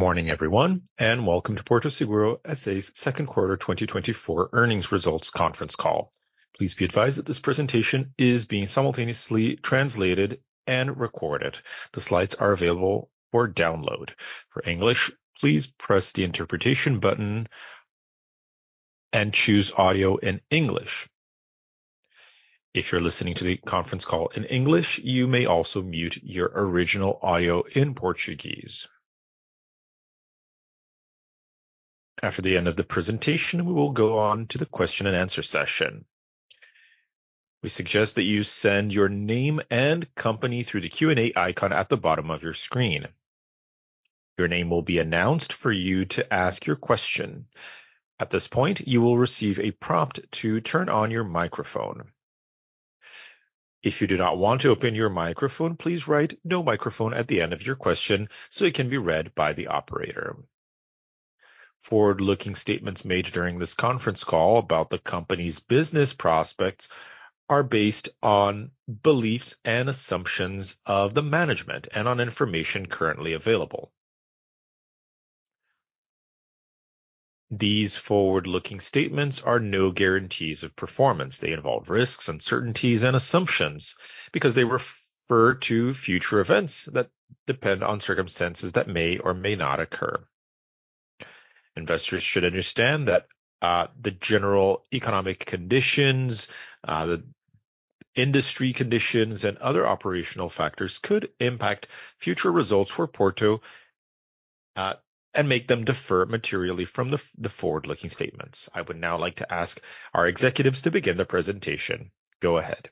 Good morning, everyone, and welcome to Porto Seguro SA's second quarter 2024 earnings results conference call. Please be advised that this presentation is being simultaneously translated and recorded. The slides are available for download. For English, please press the interpretation button and choose audio in English. If you're listening to the conference call in English, you may also mute your original audio in Portuguese. After the end of the presentation, we will go on to the question and answer session. We suggest that you send your name and company through the Q&A icon at the bottom of your screen. Your name will be announced for you to ask your question. At this point, you will receive a prompt to turn on your microphone. If you do not want to open your microphone, please write no microphone at the end of your question, so it can be read by the operator. Forward-looking statements made during this conference call about the company's business prospects are based on beliefs and assumptions of the management and on information currently available. These forward-looking statements are no guarantees of performance. They involve risks, uncertainties, and assumptions because they refer to future events that depend on circumstances that may or may not occur. Investors should understand that, the general economic conditions, the industry conditions, and other operational factors could impact future results for Porto, and make them differ materially from the forward-looking statements. I would now like to ask our executives to begin the presentation. Go ahead.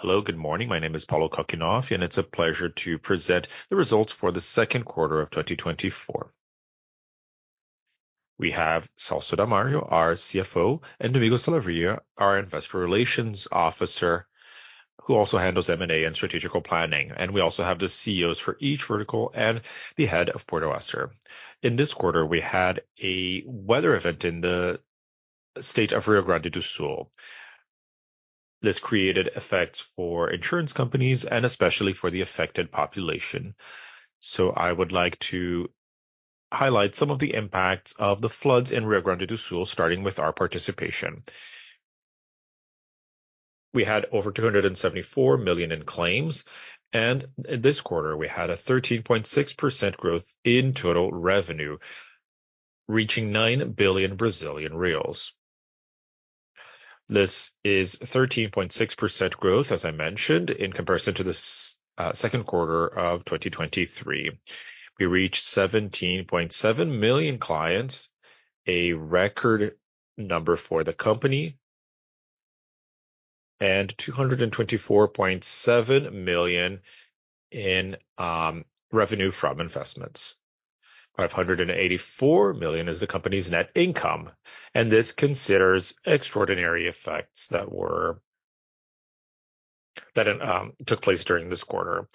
Hello, good morning. My name is Paulo Kakinoff, and it's a pleasure to present the results for the second quarter of 2024. We have Celso Damadi, our CFO, and Domingos Falavigna, our investor relations officer, who also handles M&A and strategic planning. And we also have the CEOs for each vertical and the head of Porto Asset. In this quarter, we had a weather event in the state of Rio Grande do Sul. This created effects for insurance companies and especially for the affected population. So I would like to highlight some of the impacts of the floods in Rio Grande do Sul, starting with our participation. We had over 274 million in claims, and in this quarter, we had a 13.6% growth in total revenue, reaching 9 billion Brazilian reais. This is 13.6% growth, as I mentioned, in comparison to the second quarter of 2023. We reached 17.7 million clients, a record number for the company, and 224.7 million in revenue from investments. 584 million is the company's net income, and this considers extraordinary effects that took place during this quarter.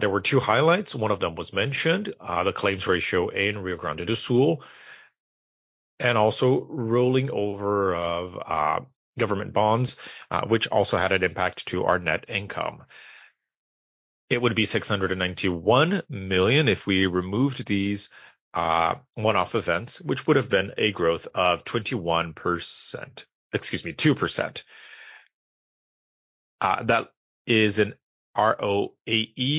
There were two highlights. One of them was mentioned, the claims ratio in Rio Grande do Sul, and also rolling over of government bonds, which also had an impact to our net income. It would be 691 million if we removed these one-off events, which would have been a growth of 21%, excuse me, 2%. That is an ROAE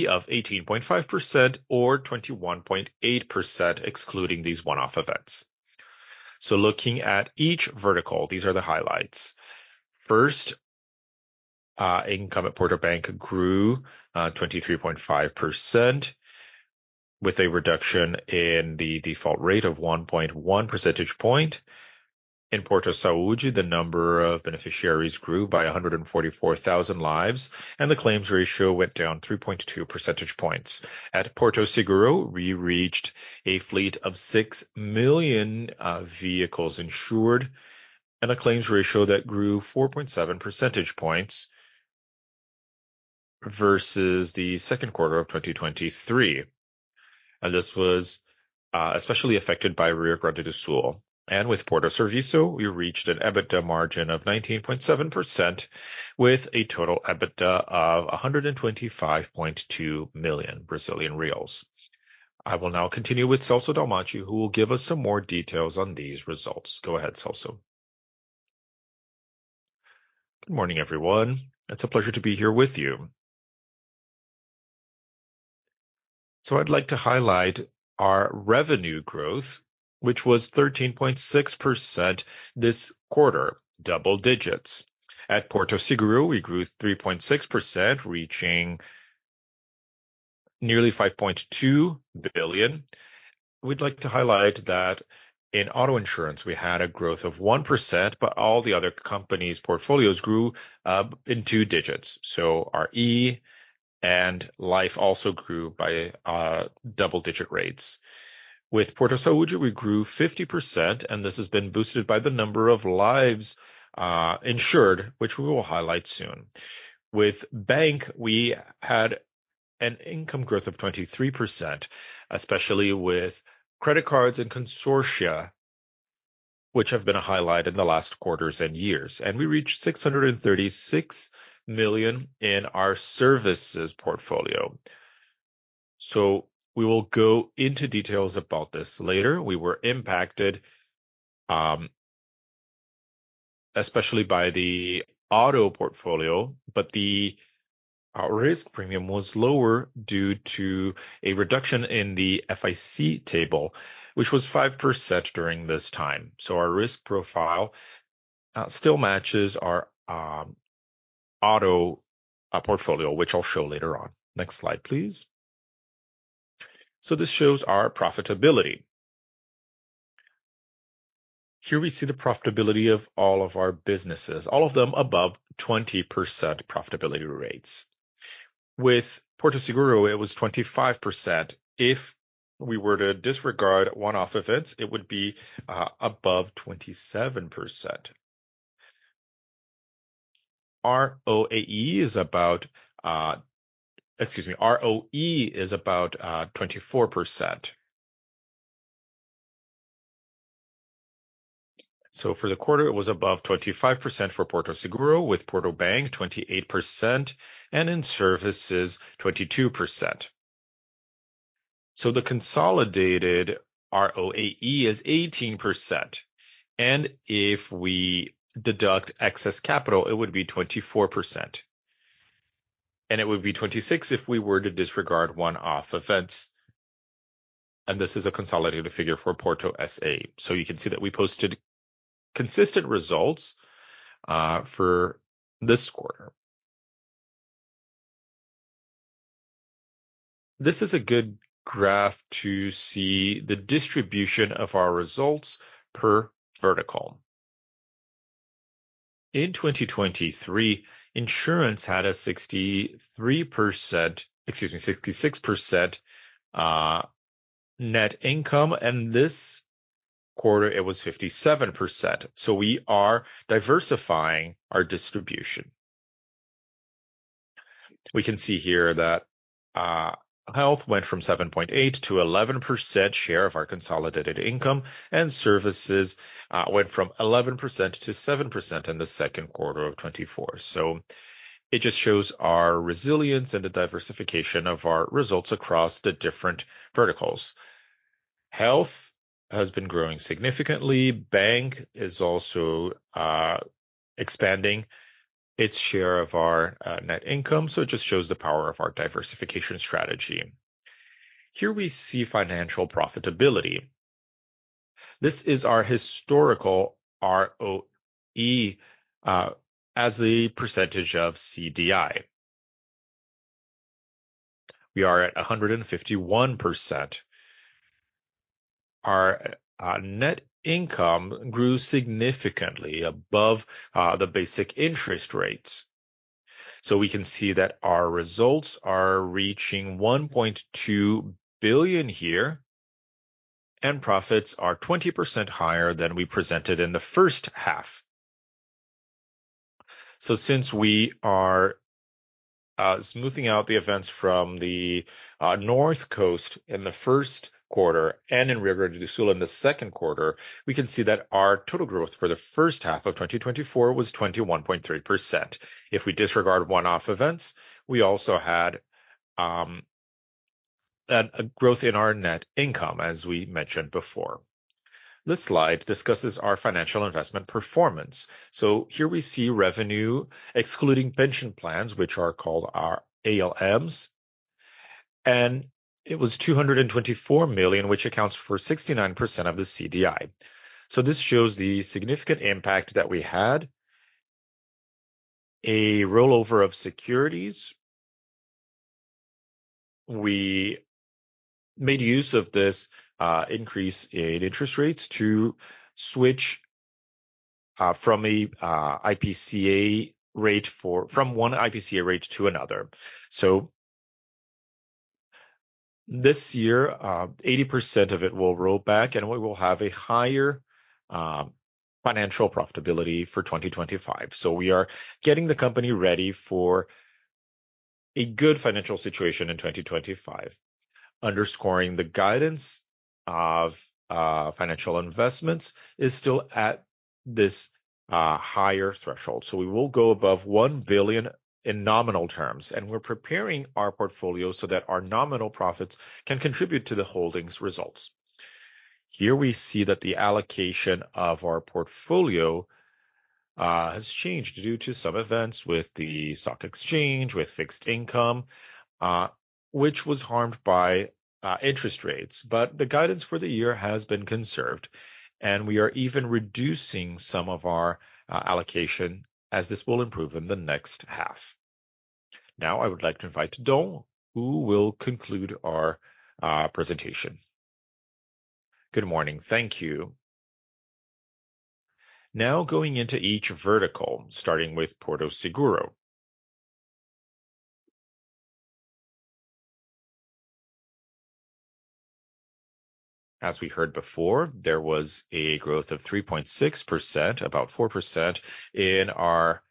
of 18.5% or 21.8%, excluding these one-off events. So looking at each vertical, these are the highlights. First, income at Porto Bank grew 23.5%, with a reduction in the default rate of 1.1 percentage points. In Porto Saúde, the number of beneficiaries grew by 144,000 lives, and the claims ratio went down 3.2 percentage points. At Porto Seguro, we reached a fleet of 6 million vehicles insured and a claims ratio that grew 4.7 percentage points versus the second quarter of 2023. And this was especially affected by Rio Grande do Sul. And with Porto Serviço, we reached an EBITDA margin of 19.7%, with a total EBITDA of 125.2 million Brazilian reais. I will now continue with Celso Damadi, who will give us some more details on these results. Go ahead, Celso. Good morning, everyone. It's a pleasure to be here with you. So I'd like to highlight our revenue growth, which was 13.6% this quarter, double digits. At Porto Seguro, we grew 3.6%, reaching nearly 5.2 billion. We'd like to highlight that in auto insurance, we had a growth of 1%, but all the other companies' portfolios grew in two digits. So our E and Life also grew by double-digit rates. With Porto Saúde, we grew 50%, and this has been boosted by the number of lives insured, which we will highlight soon. With Bank, we had an income growth of 23%, especially with credit cards and consortia, which have been a highlight in the last quarters and years, and we reached 636 million in our services portfolio. So we will go into details about this later. We were impacted, especially by the auto portfolio, but our risk premium was lower due to a reduction in the FIPE table, which was 5% during this time. So our risk profile still matches our auto portfolio, which I'll show later on. Next slide, please. So this shows our profitability. Here we see the profitability of all of our businesses, all of them above 20% profitability rates. With Porto Seguro, it was 25%. If we were to disregard one-off events, it would be above 27%. ROAE is about, excuse me, ROE is about 24%. So for the quarter, it was above 25% for Porto Seguro, with Porto Bank 28% and in services, 22%. So the consolidated ROAE is 18%, and if we deduct excess capital, it would be 24%, and it would be 26% if we were to disregard one-off events, and this is a consolidated figure for Porto SA. So you can see that we posted consistent results for this quarter. This is a good graph to see the distribution of our results per vertical. In 2023, insurance had a 63%, excuse me, 66%, net income, and this quarter it was 57%, so we are diversifying our distribution. We can see here that health went from 7.8% to 11% share of our consolidated income, and services went from 11% to 7% in the second quarter of 2024. So it just shows our resilience and the diversification of our results across the different verticals. Health has been growing significantly. Bank is also expanding its share of our net income, so it just shows the power of our diversification strategy. Here we see financial profitability. This is our historical ROE as a percentage of CDI. We are at 151%. Our net income grew significantly above the basic interest rates. So we can see that our results are reaching 1.2 billion here, and profits are 20% higher than we presented in the first half. So since we are smoothing out the events from the North Coast in the first quarter and in Rio de Janeiro in the second quarter, we can see that our total growth for the first half of 2024 was 21.3%. If we disregard one-off events, we also had a growth in our net income, as we mentioned before. This slide discusses our financial investment performance. So here we see revenue excluding pension plans, which are called our ALMs, and it was 224 million, which accounts for 69% of the CDI. So this shows the significant impact that we had. A rollover of securities. We made use of this increase in interest rates to switch from one IPCA rate to another. So this year, 80% of it will roll back, and we will have a higher financial profitability for 2025. So we are getting the company ready for a good financial situation in 2025. Underscoring the guidance of financial investments is still at this higher threshold. We will go above 1 billion in nominal terms, and we're preparing our portfolio so that our nominal profits can contribute to the holdings results. Here we see that the allocation of our portfolio has changed due to some events with the stock exchange, with fixed income, which was harmed by interest rates. But the guidance for the year has been conserved, and we are even reducing some of our allocation as this will improve in the next half. Now, I would like to invite Dom, who will conclude our presentation. Good morning. Thank you. Now going into each vertical, starting with Porto Seguro. As we heard before, there was a growth of 3.6%, about 4%, in our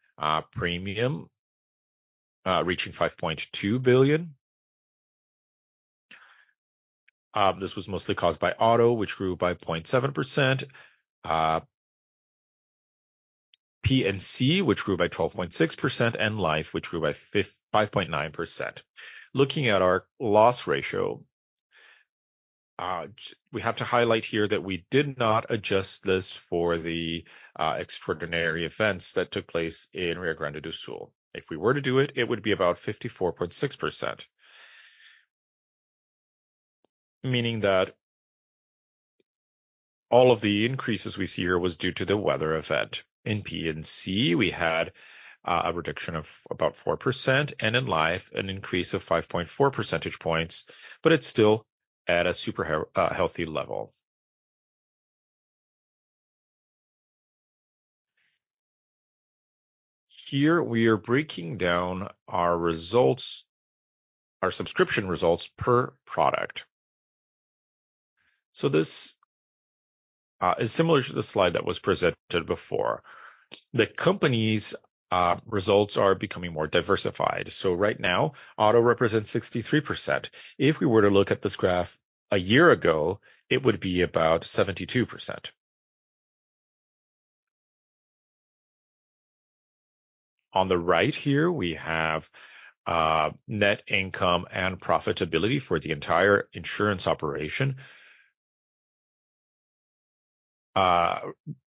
premium, reaching BRL 5.2 billion. This was mostly caused by auto, which grew by 0.7%, P&C, which grew by 12.6%, and life, which grew by 5.9%. Looking at our loss ratio, we have to highlight here that we did not adjust this for the extraordinary events that took place in Rio Grande do Sul. If we were to do it, it would be about 54.6%. Meaning that all of the increases we see here was due to the weather event. In P&C, we had a reduction of about 4%, and in life, an increase of 5.4 percentage points, but it's still at a super healthy level. Here, we are breaking down our results, our subscription results per product. So this is similar to the slide that was presented before. The company's results are becoming more diversified. So right now, auto represents 63%. If we were to look at this graph a year ago, it would be about 72%. On the right here, we have net income and profitability for the entire insurance operation,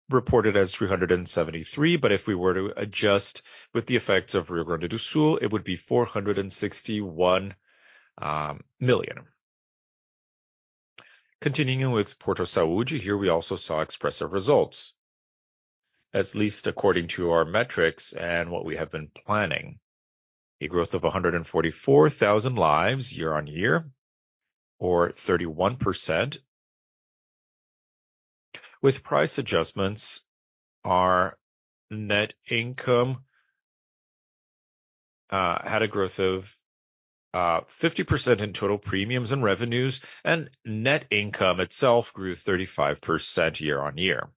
reported as 373 million, but if we were to adjust with the effects of Rio Grande do Sul, it would be 461 million. Continuing with Porto Saúde, here we also saw expressive results, at least according to our metrics and what we have been planning. A growth of 144,000 lives year-on-year, or 31%. With price adjustments, our net income had a growth of 50% in total premiums and revenues, and net income itself grew 35% year-on-year.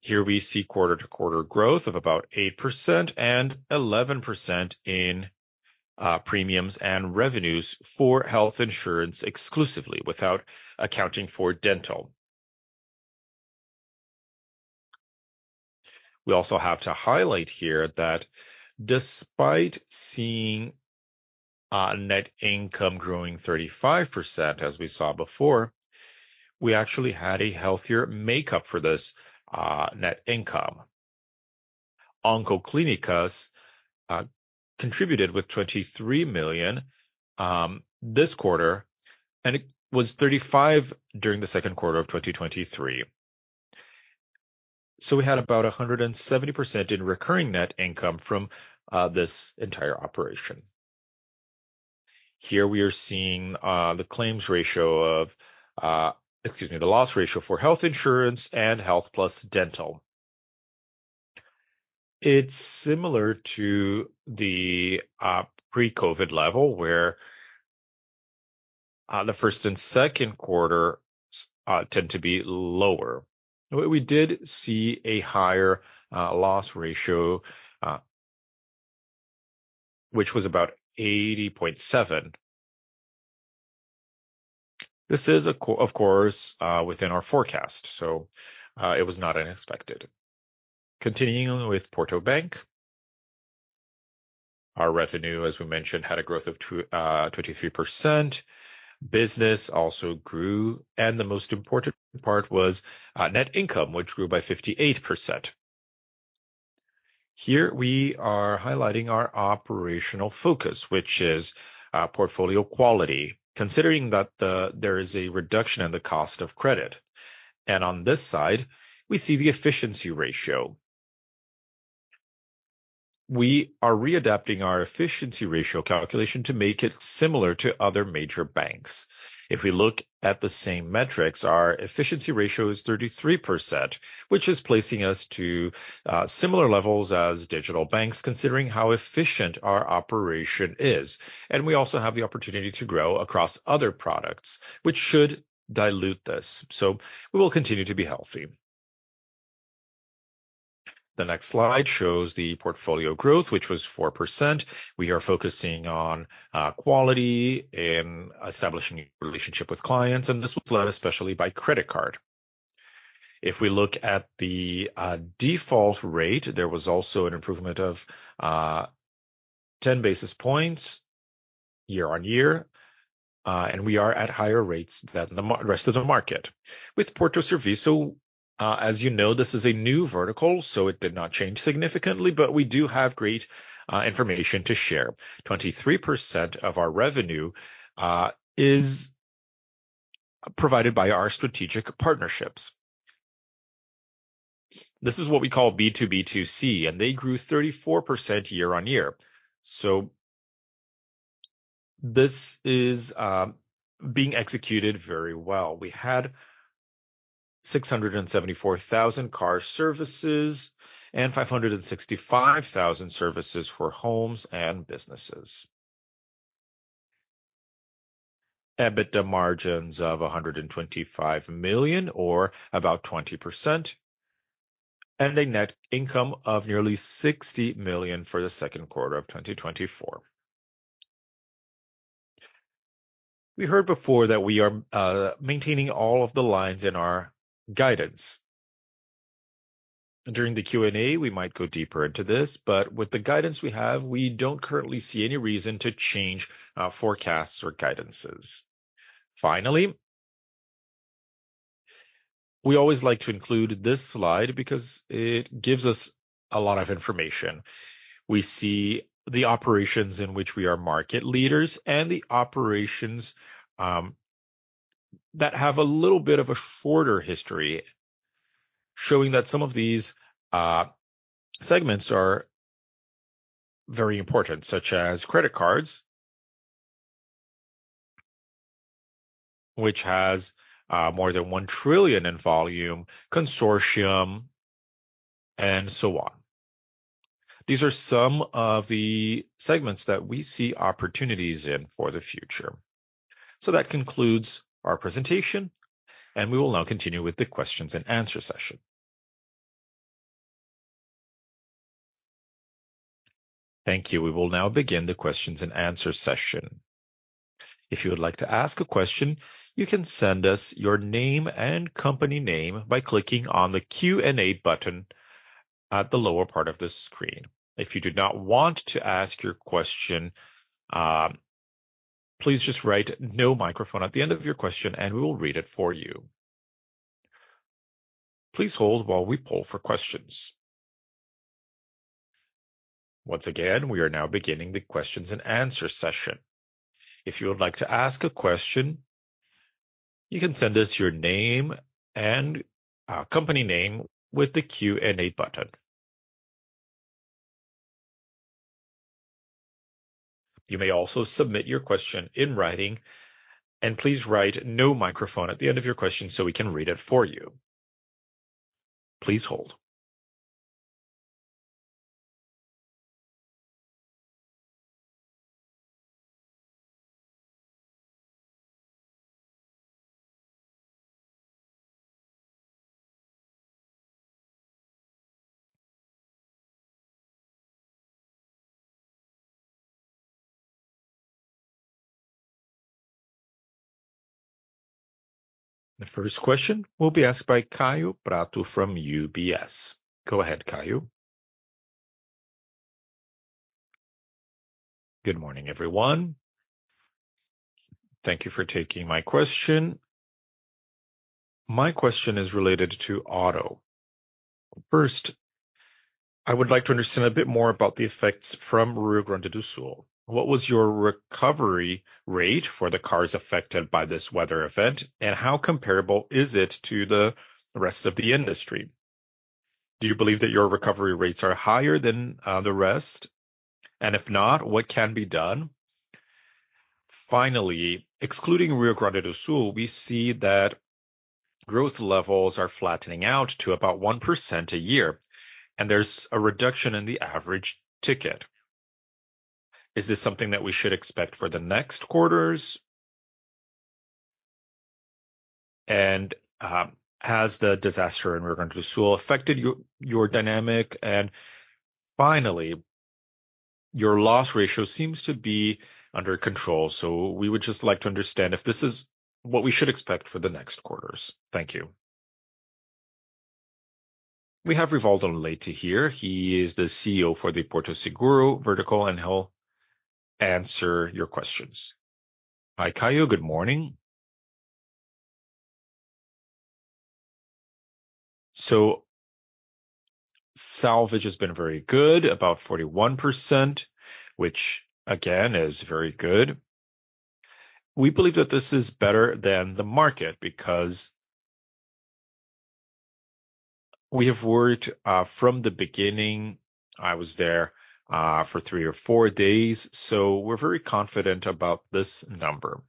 Here we see quarter-to-quarter growth of about 8% and 11% in premiums and revenues for health insurance exclusively, without accounting for dental. We also have to highlight here that despite seeing net income growing 35%, as we saw before, we actually had a healthier makeup for this net income. OncoClínicas contributed with 23 million this quarter, and it was 35 million during the second quarter of 2023. So we had about 170% in recurring net income from this entire operation. Here we are seeing the claims ratio of... excuse me, the loss ratio for health insurance and health plus dental. It's similar to the pre-COVID level, where the first and second quarter tend to be lower. We did see a higher loss ratio, which was about 80.7%. This is, of course, within our forecast, so, it was not unexpected. Continuing with Porto Bank, our revenue, as we mentioned, had a growth of 23%. Business also grew, and the most important part was, net income, which grew by 58%. Here, we are highlighting our operational focus, which is, portfolio quality, considering that there is a reduction in the cost of credit. And on this side, we see the efficiency ratio. We are readapting our efficiency ratio calculation to make it similar to other major banks. If we look at the same metrics, our efficiency ratio is 33%, which is placing us to, similar levels as digital banks, considering how efficient our operation is. And we also have the opportunity to grow across other products, which should dilute this. So we will continue to be healthy. The next slide shows the portfolio growth, which was 4%. We are focusing on quality and establishing a relationship with clients, and this was led especially by credit card. If we look at the default rate, there was also an improvement of 10 basis points year-on-year, and we are at higher rates than the rest of the market. With Porto Serviço, as you know, this is a new vertical, so it did not change significantly, but we do have great information to share. 23% of our revenue is provided by our strategic partnerships. This is what we call B2B2C, and they grew 34% year-on-year. So this is being executed very well. We had 674,000 car services and 565,000 services for homes and businesses.... EBITDA margins of 125 million, or about 20%, and a net income of nearly 60 million for the second quarter of 2024. We heard before that we are maintaining all of the lines in our guidance. During the Q&A, we might go deeper into this, but with the guidance we have, we don't currently see any reason to change forecasts or guidances. Finally, we always like to include this slide because it gives us a lot of information. We see the operations in which we are market leaders and the operations that have a little bit of a shorter history, showing that some of these segments are very important, such as credit cards, which has more than 1 trillion in volume, consortium, and so on. These are some of the segments that we see opportunities in for the future. So that concludes our presentation, and we will now continue with the questions and answer session. Thank you. We will now begin the questions and answer session. If you would like to ask a question, you can send us your name and company name by clicking on the Q&A button at the lower part of the screen. If you do not want to ask your question, please just write "no microphone" at the end of your question and we will read it for you. Please hold while we poll for questions. Once again, we are now beginning the questions and answer session. If you would like to ask a question, you can send us your name and company name with the Q&A button. You may also submit your question in writing, and please write "no microphone" at the end of your question, so we can read it for you. Please hold. The first question will be asked by Kaio Prato from UBS. Go ahead, Kaio. Good morning, everyone. Thank you for taking my question. My question is related to auto. First, I would like to understand a bit more about the effects from Rio Grande do Sul. What was your recovery rate for the cars affected by this weather event, and how comparable is it to the rest of the industry? Do you believe that your recovery rates are higher than, the rest? And if not, what can be done? Finally, excluding Rio Grande do Sul, we see that growth levels are flattening out to about 1% a year, and there's a reduction in the average ticket. Is this something that we should expect for the next quarters? And, has the disaster in Rio Grande do Sul affected your dynamic? And finally, your loss ratio seems to be under control, so we would just like to understand if this is what we should expect for the next quarters. Thank you. We have Rivaldo Leite here. He is the CEO for the Porto Seguro vertical, and he'll answer your questions. Hi, Kaio. Good morning. So salvage has been very good, about 41%, which again, is very good. We believe that this is better than the market because we have worked from the beginning. I was there for three or four days, so we're very confident about this number.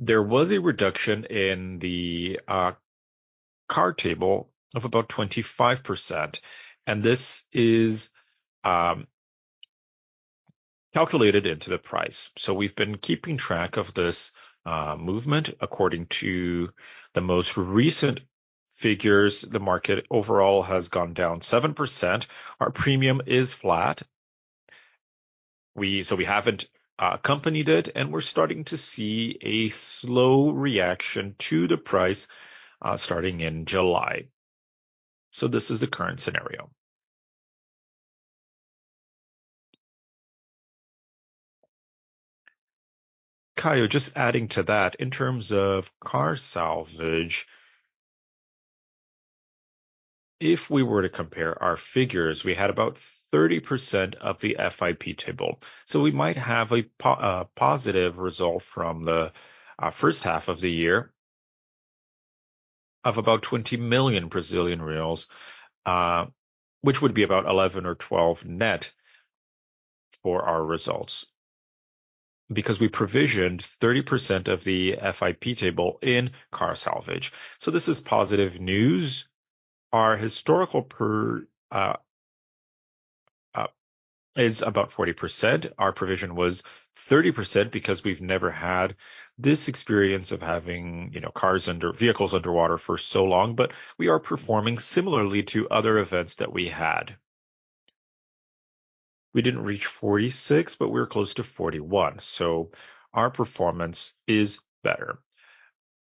There was a reduction in the car table of about 25%, and this is calculated into the price. So we've been keeping track of this movement. According to the most recent figures, the market overall has gone down 7%. Our premium is flat. So we haven't accompanied it, and we're starting to see a slow reaction to the price starting in July. So this is the current scenario. Kaio, just adding to that, in terms of car salvage, if we were to compare our figures, we had about 30% of the FIPE table, so we might have a positive result from the first half of the year of about 20 million Brazilian reais, which would be about 11 million or 12 million net for our results because we provisioned 30% of the FIPE table in car salvage. So this is positive news. Our historical percentage is about 40%. Our provision was 30% because we've never had this experience of having, you know, cars under, vehicles underwater for so long, but we are performing similarly to other events that we had. We didn't reach 46, but we're close to 41, so our performance is better.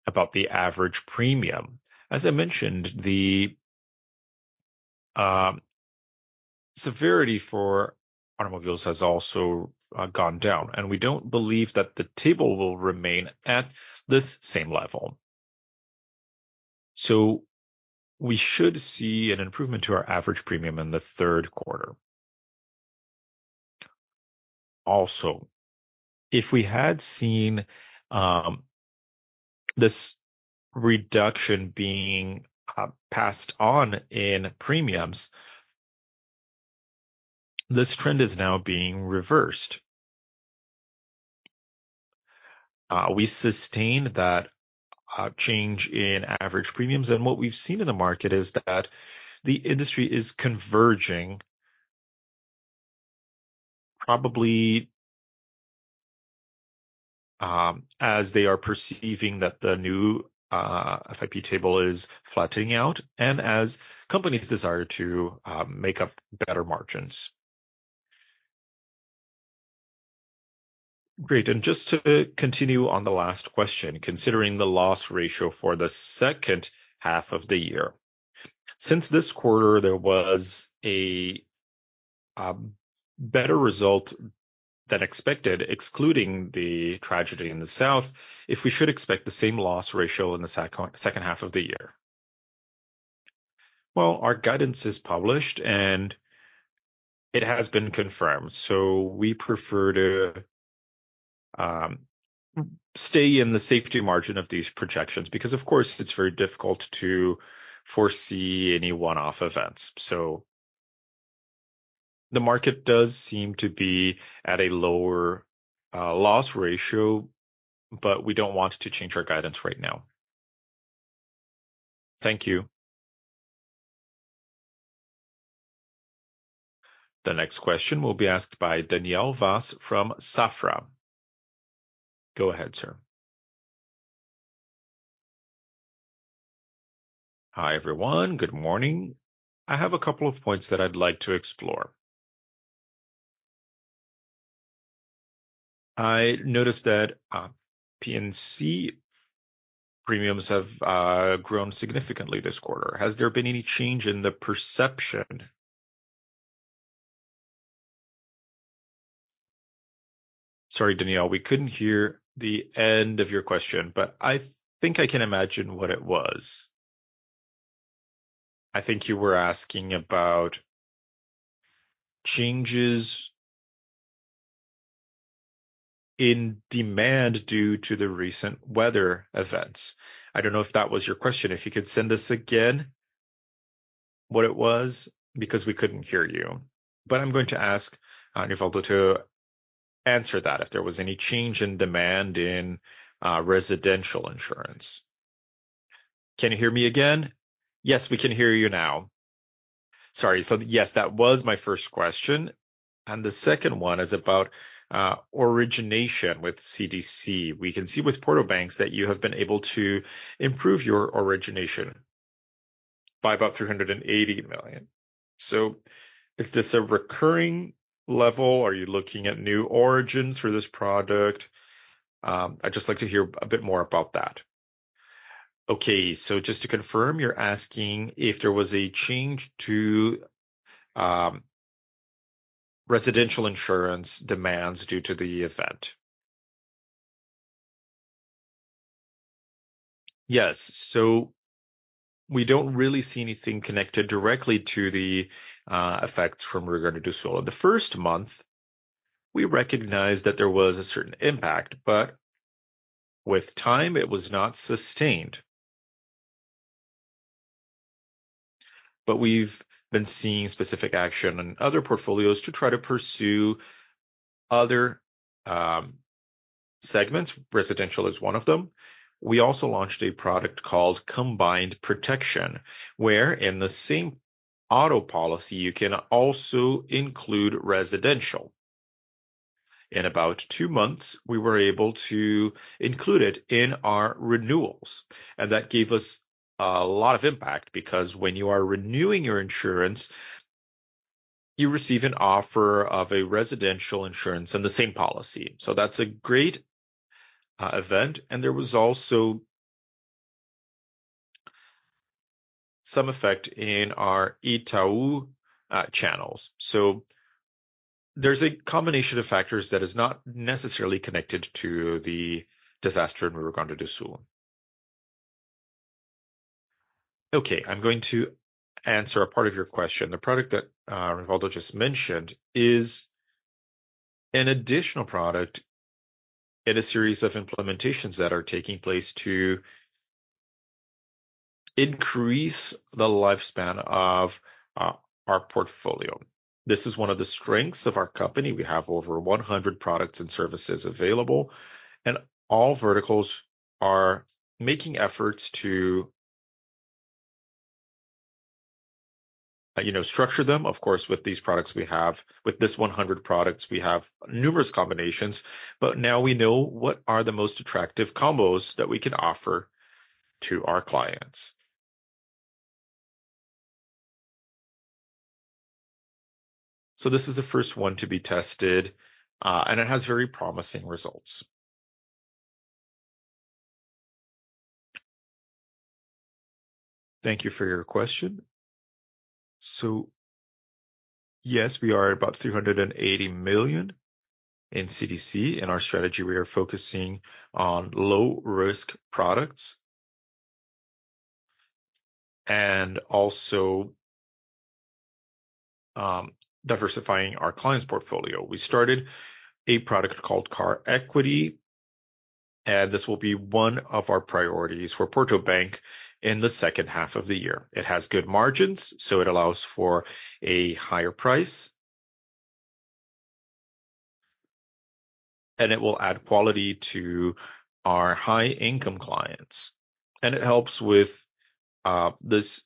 About the average premium, as I mentioned, the severity for automobiles has also gone down, and we don't believe that the table will remain at this same level. So we should see an improvement to our average premium in the third quarter. Also, if we had seen this reduction being passed on in premiums, this trend is now being reversed. We sustained that change in average premiums, and what we've seen in the market is that the industry is converging probably, as they are perceiving that the new FIPE table is flattening out and as companies desire to make up better margins. Great, and just to continue on the last question, considering the loss ratio for the second half of the year. Since this quarter, there was a better result than expected, excluding the tragedy in the south, if we should expect the same loss ratio in the second half of the year? Well, our guidance is published, and it has been confirmed, so we prefer to stay in the safety margin of these projections because, of course, it's very difficult to foresee any one-off events. So the market does seem to be at a lower loss ratio, but we don't want to change our guidance right now. Thank you. The next question will be asked by Daniel Vaz from Safra. Go ahead, sir. Hi, everyone. Good morning. I have a couple of points that I'd like to explore. I noticed that P&C premiums have grown significantly this quarter. Has there been any change in the perception- Sorry, Daniel, we couldn't hear the end of your question, but I think I can imagine what it was. I think you were asking about changes in demand due to the recent weather events. I don't know if that was your question. If you could send us again what it was, because we couldn't hear you. But I'm going to ask, Rivaldo to answer that, if there was any change in demand in, residential insurance. Can you hear me again? Yes, we can hear you now. Sorry, so yes, that was my first question, and the second one is about, origination with CDC. We can see with Porto Bank that you have been able to improve your origination by about 380 million. So is this a recurring level? Are you looking at new origins for this product? I'd just like to hear a bit more about that. Okay, so just to confirm, you're asking if there was a change to, residential insurance demands due to the event? Yes. So we don't really see anything connected directly to the, effects from Rio Grande do Sul. In the first month, we recognized that there was a certain impact, but with time, it was not sustained. But we've been seeing specific action on other portfolios to try to pursue other segments. Residential is one of them. We also launched a product called Combined Protection, where in the same auto policy, you can also include residential. In about 2 months, we were able to include it in our renewals, and that gave us a lot of impact because when you are renewing your insurance, you receive an offer of a residential insurance in the same policy, so that's a great event. And there was also some effect in our Itaú channels. So there's a combination of factors that is not necessarily connected to the disaster in Rio Grande do Sul. Okay, I'm going to answer a part of your question. The product that Rivaldo just mentioned is an additional product in a series of implementations that are taking place to increase the lifespan of our portfolio. This is one of the strengths of our company. We have over 100 products and services available, and all verticals are making efforts to, you know, structure them. Of course, with these products we have with this 100 products, we have numerous combinations, but now we know what are the most attractive combos that we can offer to our clients. So this is the first one to be tested, and it has very promising results. Thank you for your question. So yes, we are at about 380 million in CDC. In our strategy, we are focusing on low-risk products and also diversifying our clients' portfolio. We started a product called Car Equity, and this will be one of our priorities for Porto Bank in the second half of the year. It has good margins, so it allows for a higher price, and it will add quality to our high-income clients. And it helps with this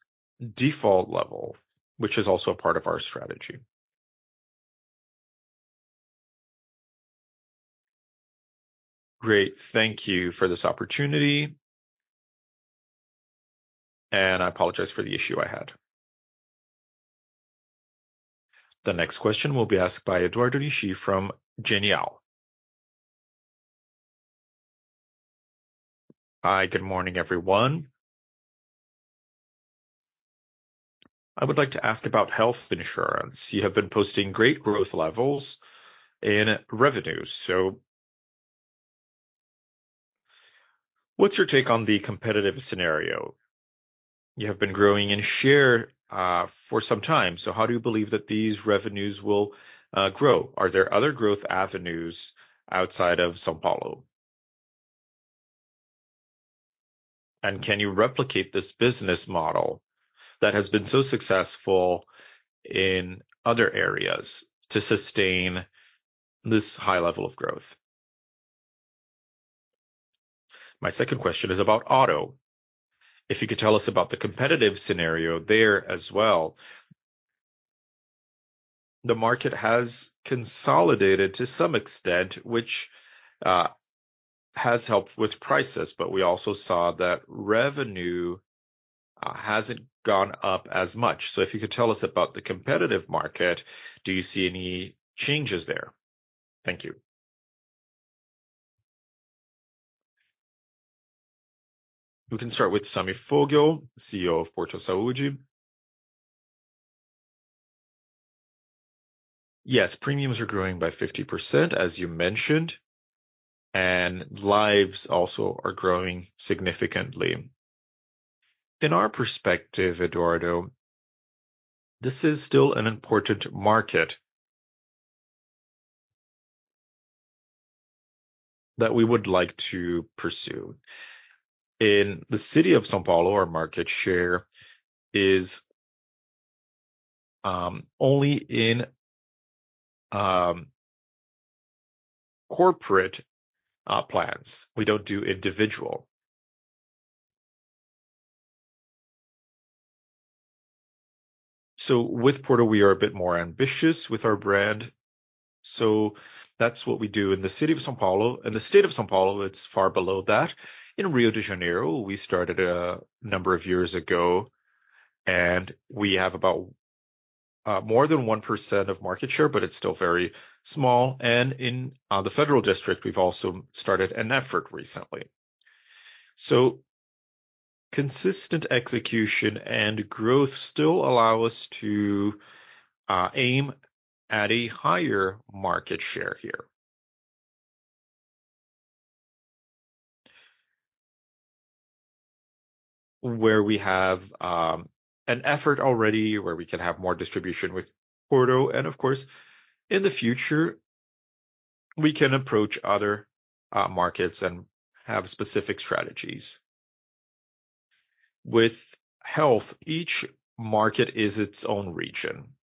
default level, which is also a part of our strategy. Great. Thank you for this opportunity. And I apologize for the issue I had. The next question will be asked by Eduardo Nishio from Genial. Hi, good morning, everyone. I would like to ask about health insurance. You have been posting great growth levels in revenues, so what's your take on the competitive scenario? You have been growing in share for some time, so how do you believe that these revenues will grow? Are there other growth avenues outside of São Paulo? Can you replicate this business model that has been so successful in other areas to sustain this high level of growth? My second question is about auto. If you could tell us about the competitive scenario there as well. The market has consolidated to some extent, which has helped with prices, but we also saw that revenue hasn't gone up as much. If you could tell us about the competitive market, do you see any changes there? Thank you. We can start with Sami Foguel, CEO of Porto Saúde. Yes, premiums are growing by 50%, as you mentioned, and lives also are growing significantly. In our perspective, Eduardo, this is still an important market that we would like to pursue. In the city of São Paulo, our market share is only in corporate plans. We don't do individual. So with Porto, we are a bit more ambitious with our brand, so that's what we do in the city of São Paulo. In the state of São Paulo, it's far below that. In Rio de Janeiro, we started a number of years ago, and we have about more than 1% of market share, but it's still very small. And in the Federal District, we've also started an effort recently. So consistent execution and growth still allow us to aim at a higher market share here. Where we have an effort already, where we can have more distribution with Porto, and of course, in the future, we can approach other markets and have specific strategies. With health, each market is its own region.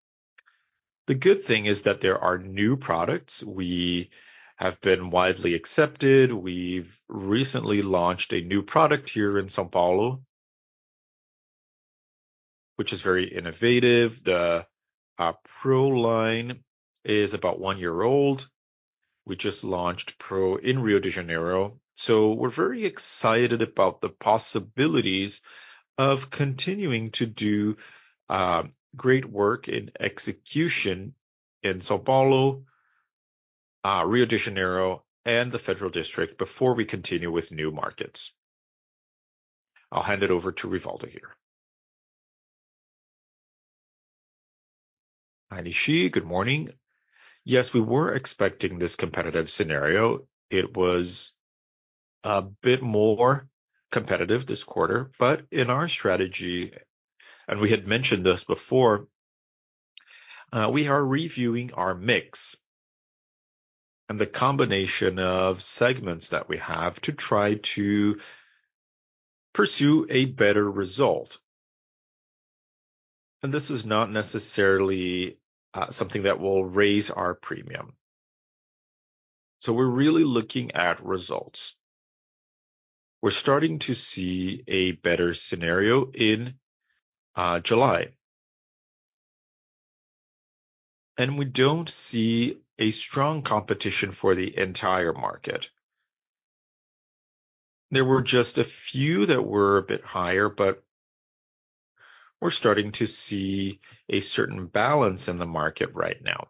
The good thing is that there are new products. We have been widely accepted. We've recently launched a new product here in São Paulo, which is very innovative. The Pro line is about one year old. We just launched Pro in Rio de Janeiro, so we're very excited about the possibilities of continuing to do great work in execution in São Paulo, Rio de Janeiro, and the Federal District before we continue with new markets. I'll hand it over to Rivaldo here. Hi, Nishio. Good morning. Yes, we were expecting this competitive scenario. It was a bit more competitive this quarter, but in our strategy, and we had mentioned this before, we are reviewing our mix and the combination of segments that we have to try to pursue a better result. And this is not necessarily something that will raise our premium. So we're really looking at results. We're starting to see a better scenario in July. We don't see a strong competition for the entire market. There were just a few that were a bit higher, but we're starting to see a certain balance in the market right now.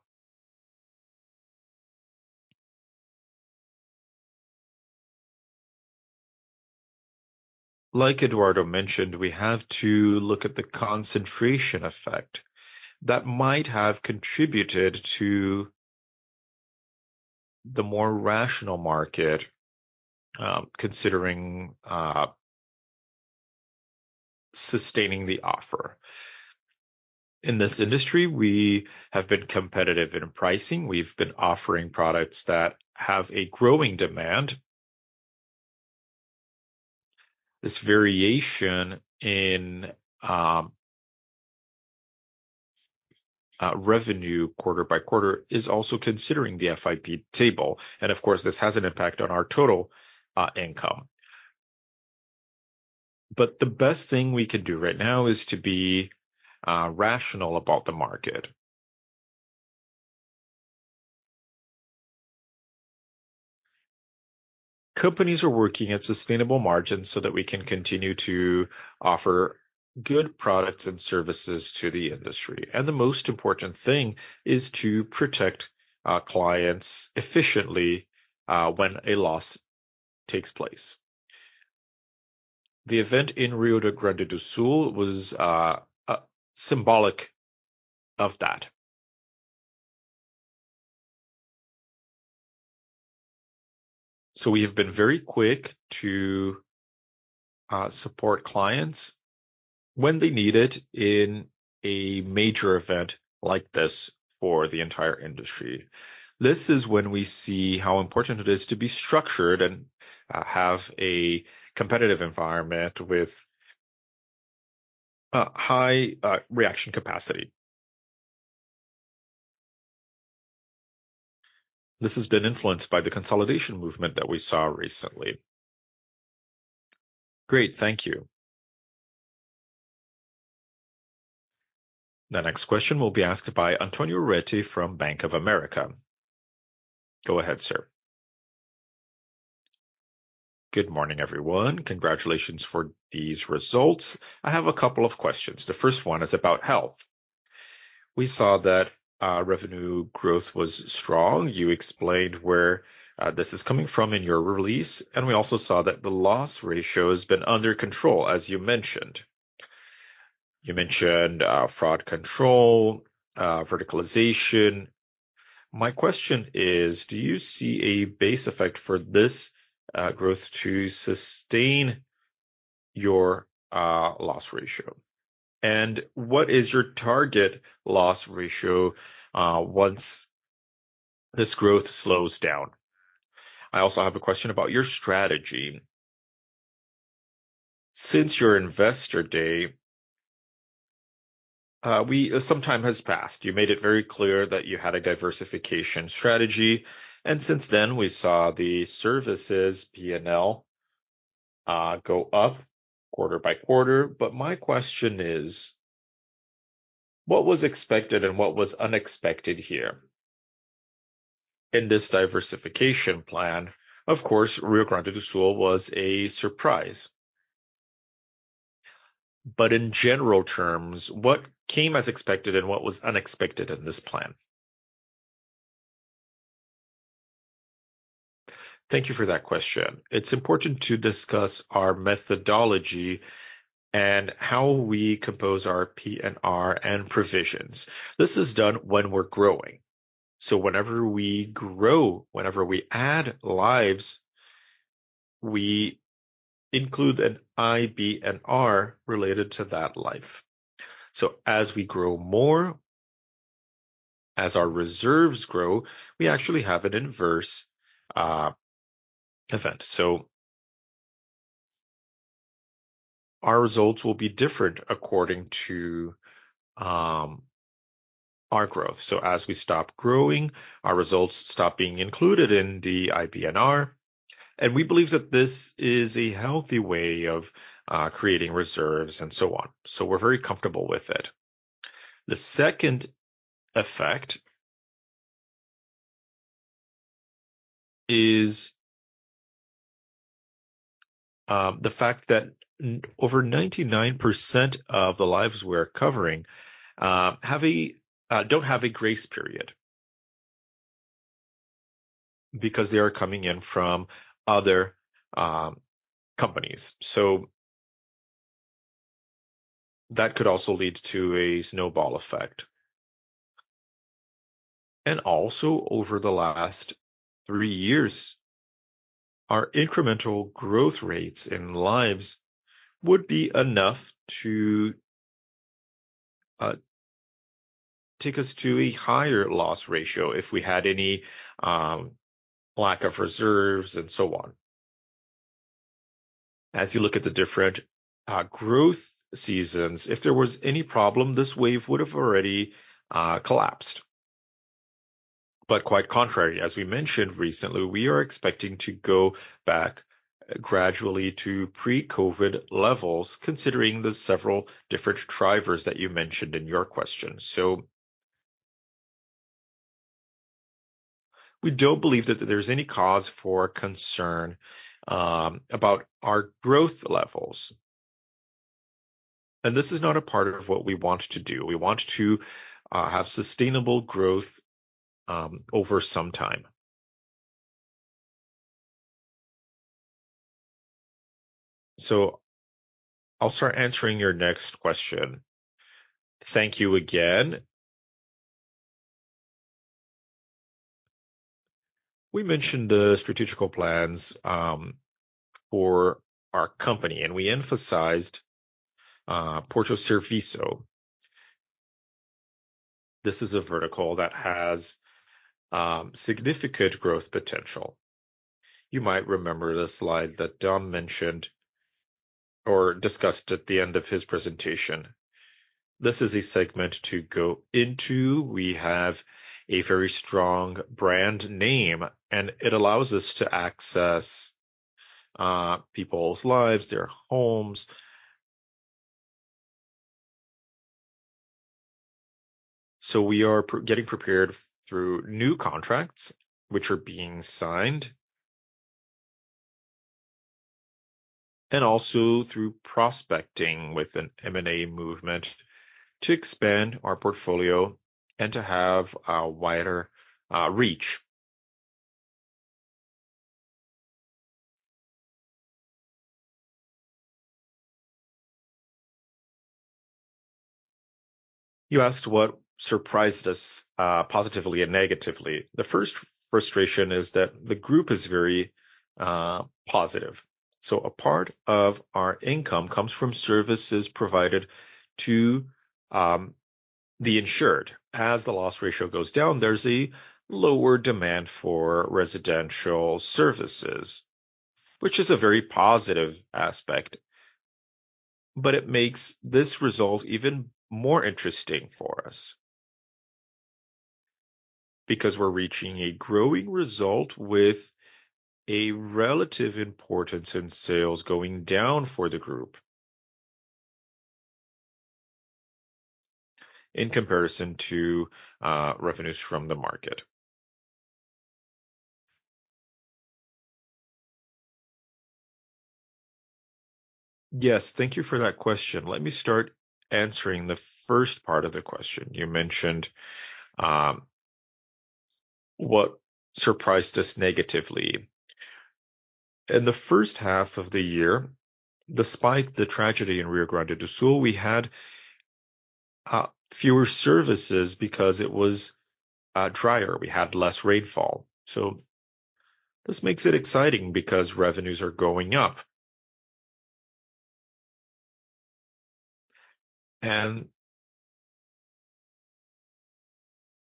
Like Eduardo mentioned, we have to look at the concentration effect that might have contributed to the more rational market, considering sustaining the offer. In this industry, we have been competitive in pricing. We've been offering products that have a growing demand. This variation in revenue quarter by quarter is also considering the FIPE table, and of course, this has an impact on our total income. But the best thing we could do right now is to be rational about the market. Companies are working at sustainable margins so that we can continue to offer good products and services to the industry. The most important thing is to protect our clients efficiently, when a loss takes place. The event in Rio Grande do Sul was symbolic of that. So we have been very quick to support clients when they need it in a major event like this for the entire industry. This is when we see how important it is to be structured and have a competitive environment with a high reaction capacity. This has been influenced by the consolidation movement that we saw recently. Great, thank you. The next question will be asked by Antonio Ruette from Bank of America. Go ahead, sir. Good morning, everyone. Congratulations for these results. I have a couple of questions. The first one is about health. We saw that revenue growth was strong. You explained where this is coming from in your release, and we also saw that the loss ratio has been under control, as you mentioned. You mentioned fraud control, verticalization. My question is: do you see a base effect for this growth to sustain your loss ratio? And what is your target loss ratio once this growth slows down? I also have a question about your strategy. Since your Investor Day, some time has passed. You made it very clear that you had a diversification strategy, and since then, we saw the services PNL go up quarter by quarter. But my question is: what was expected and what was unexpected here in this diversification plan? Of course, Rio Grande do Sul was a surprise. But in general terms, what came as expected and what was unexpected in this plan? Thank you for that question. It's important to discuss our methodology and how we compose our PNR and provisions. This is done when we're growing. So whenever we grow, whenever we add lives, we include an IBNR related to that life. So as we grow more, as our reserves grow, we actually have an inverse event. So our results will be different according to our growth. So as we stop growing, our results stop being included in the IBNR, and we believe that this is a healthy way of creating reserves and so on. So we're very comfortable with it. The second effect is the fact that over 99% of the lives we are covering have a don't have a grace period because they are coming in from other companies. So that could also lead to a snowball effect. Also over the last three years, our incremental growth rates in lives would be enough to take us to a higher loss ratio if we had any lack of reserves and so on. As you look at the different growth scenarios, if there was any problem, this wave would have already collapsed. But quite contrary, as we mentioned recently, we are expecting to go back gradually to pre-COVID levels, considering the several different drivers that you mentioned in your question. So we don't believe that there's any cause for concern about our growth levels, and this is not a part of what we want to do. We want to have sustainable growth over some time. So I'll start answering your next question. Thank you again. We mentioned the strategic plans for our company, and we emphasized Porto Serviço. This is a vertical that has significant growth potential. You might remember the slide that Dom mentioned or discussed at the end of his presentation. This is a segment to go into. We have a very strong brand name, and it allows us to access people's lives, their homes. So we are getting prepared through new contracts which are being signed, and also through prospecting with an M&A movement to expand our portfolio and to have a wider reach. You asked what surprised us positively and negatively. The first frustration is that the group is very positive. So a part of our income comes from services provided to the insured. As the loss ratio goes down, there's a lower demand for residential services, which is a very positive aspect, but it makes this result even more interesting for us. Because we're reaching a growing result with a relative importance in sales going down for the group in comparison to revenues from the market. Yes, thank you for that question. Let me start answering the first part of the question. You mentioned what surprised us negatively. In the first half of the year, despite the tragedy in Rio Grande do Sul, we had fewer services because it was drier. We had less rainfall, so this makes it exciting because revenues are going up. And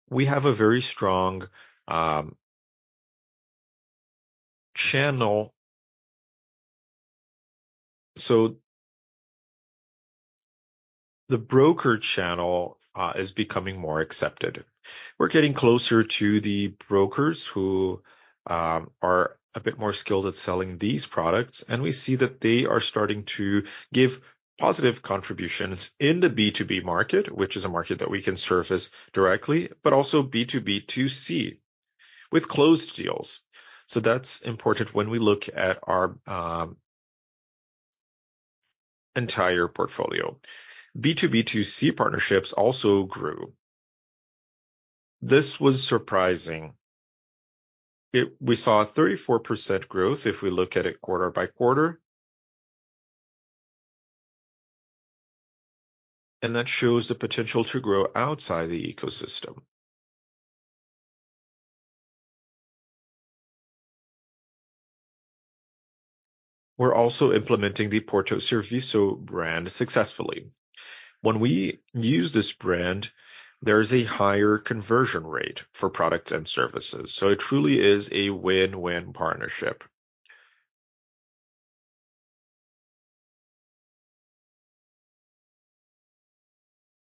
we have a very strong channel. So the broker channel is becoming more accepted. We're getting closer to the brokers who are a bit more skilled at selling these products, and we see that they are starting to give positive contributions in the B2B market, which is a market that we can service directly, but also B2B2C, with closed deals. So that's important when we look at our entire portfolio. B2B2C partnerships also grew. This was surprising. We saw a 34% growth if we look at it quarter by quarter, and that shows the potential to grow outside the ecosystem. We're also implementing the Porto Serviço brand successfully. When we use this brand, there is a higher conversion rate for products and services, so it truly is a win-win partnership.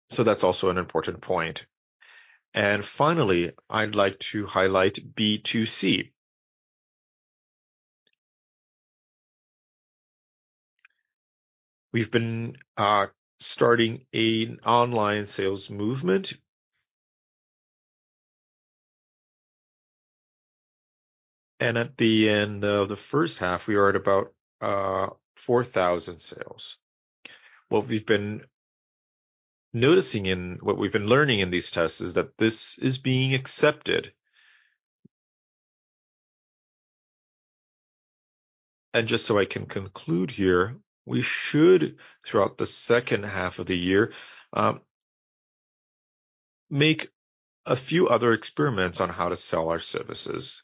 So that's also an important point. And finally, I'd like to highlight B2C. We've been starting an online sales movement, and at the end of the first half, we were at about 4,000 sales. What we've been noticing and what we've been learning in these tests is that this is being accepted. And just so I can conclude here, we should, throughout the second half of the year, make a few other experiments on how to sell our services.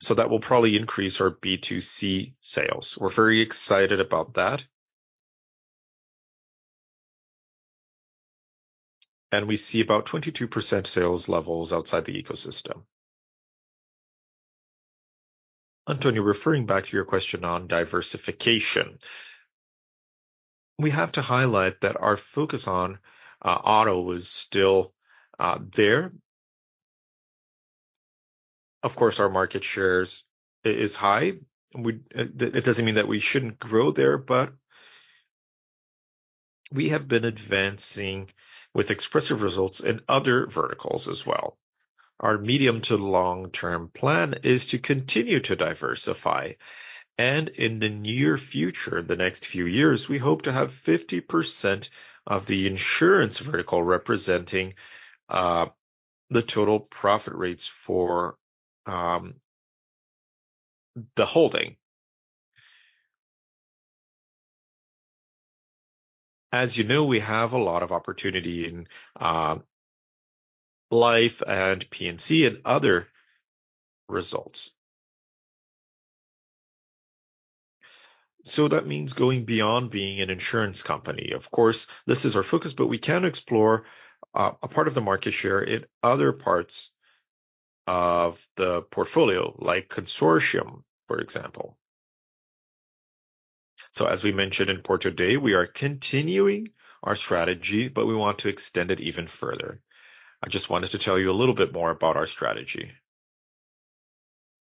So that will probably increase our B2C sales. We're very excited about that. And we see about 22% sales levels outside the ecosystem. Antonio, referring back to your question on diversification, we have to highlight that our focus on auto is still there. Of course, our market shares is high. We, that, it doesn't mean that we shouldn't grow there, but we have been advancing with expressive results in other verticals as well. Our medium- to long-term plan is to continue to diversify, and in the near future, in the next few years, we hope to have 50% of the insurance vertical representing the total profit rates for the holding. As you know, we have a lot of opportunity in life and P&C and other results. So that means going beyond being an insurance company. Of course, this is our focus, but we can explore a part of the market share in other parts of the portfolio, like consortium, for example. So as we mentioned in Porto Day, we are continuing our strategy, but we want to extend it even further. I just wanted to tell you a little bit more about our strategy.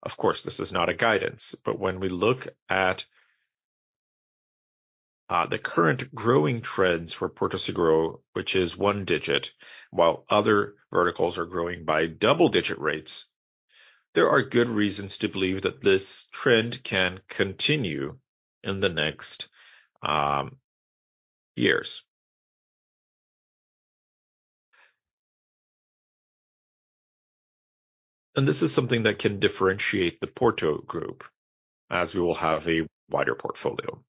Of course, this is not a guidance, but when we look at the current growing trends for Porto Seguro, which is one digit, while other verticals are growing by double-digit rates, there are good reasons to believe that this trend can continue in the next years. And this is something that can differentiate the Porto group, as we will have a wider portfolio.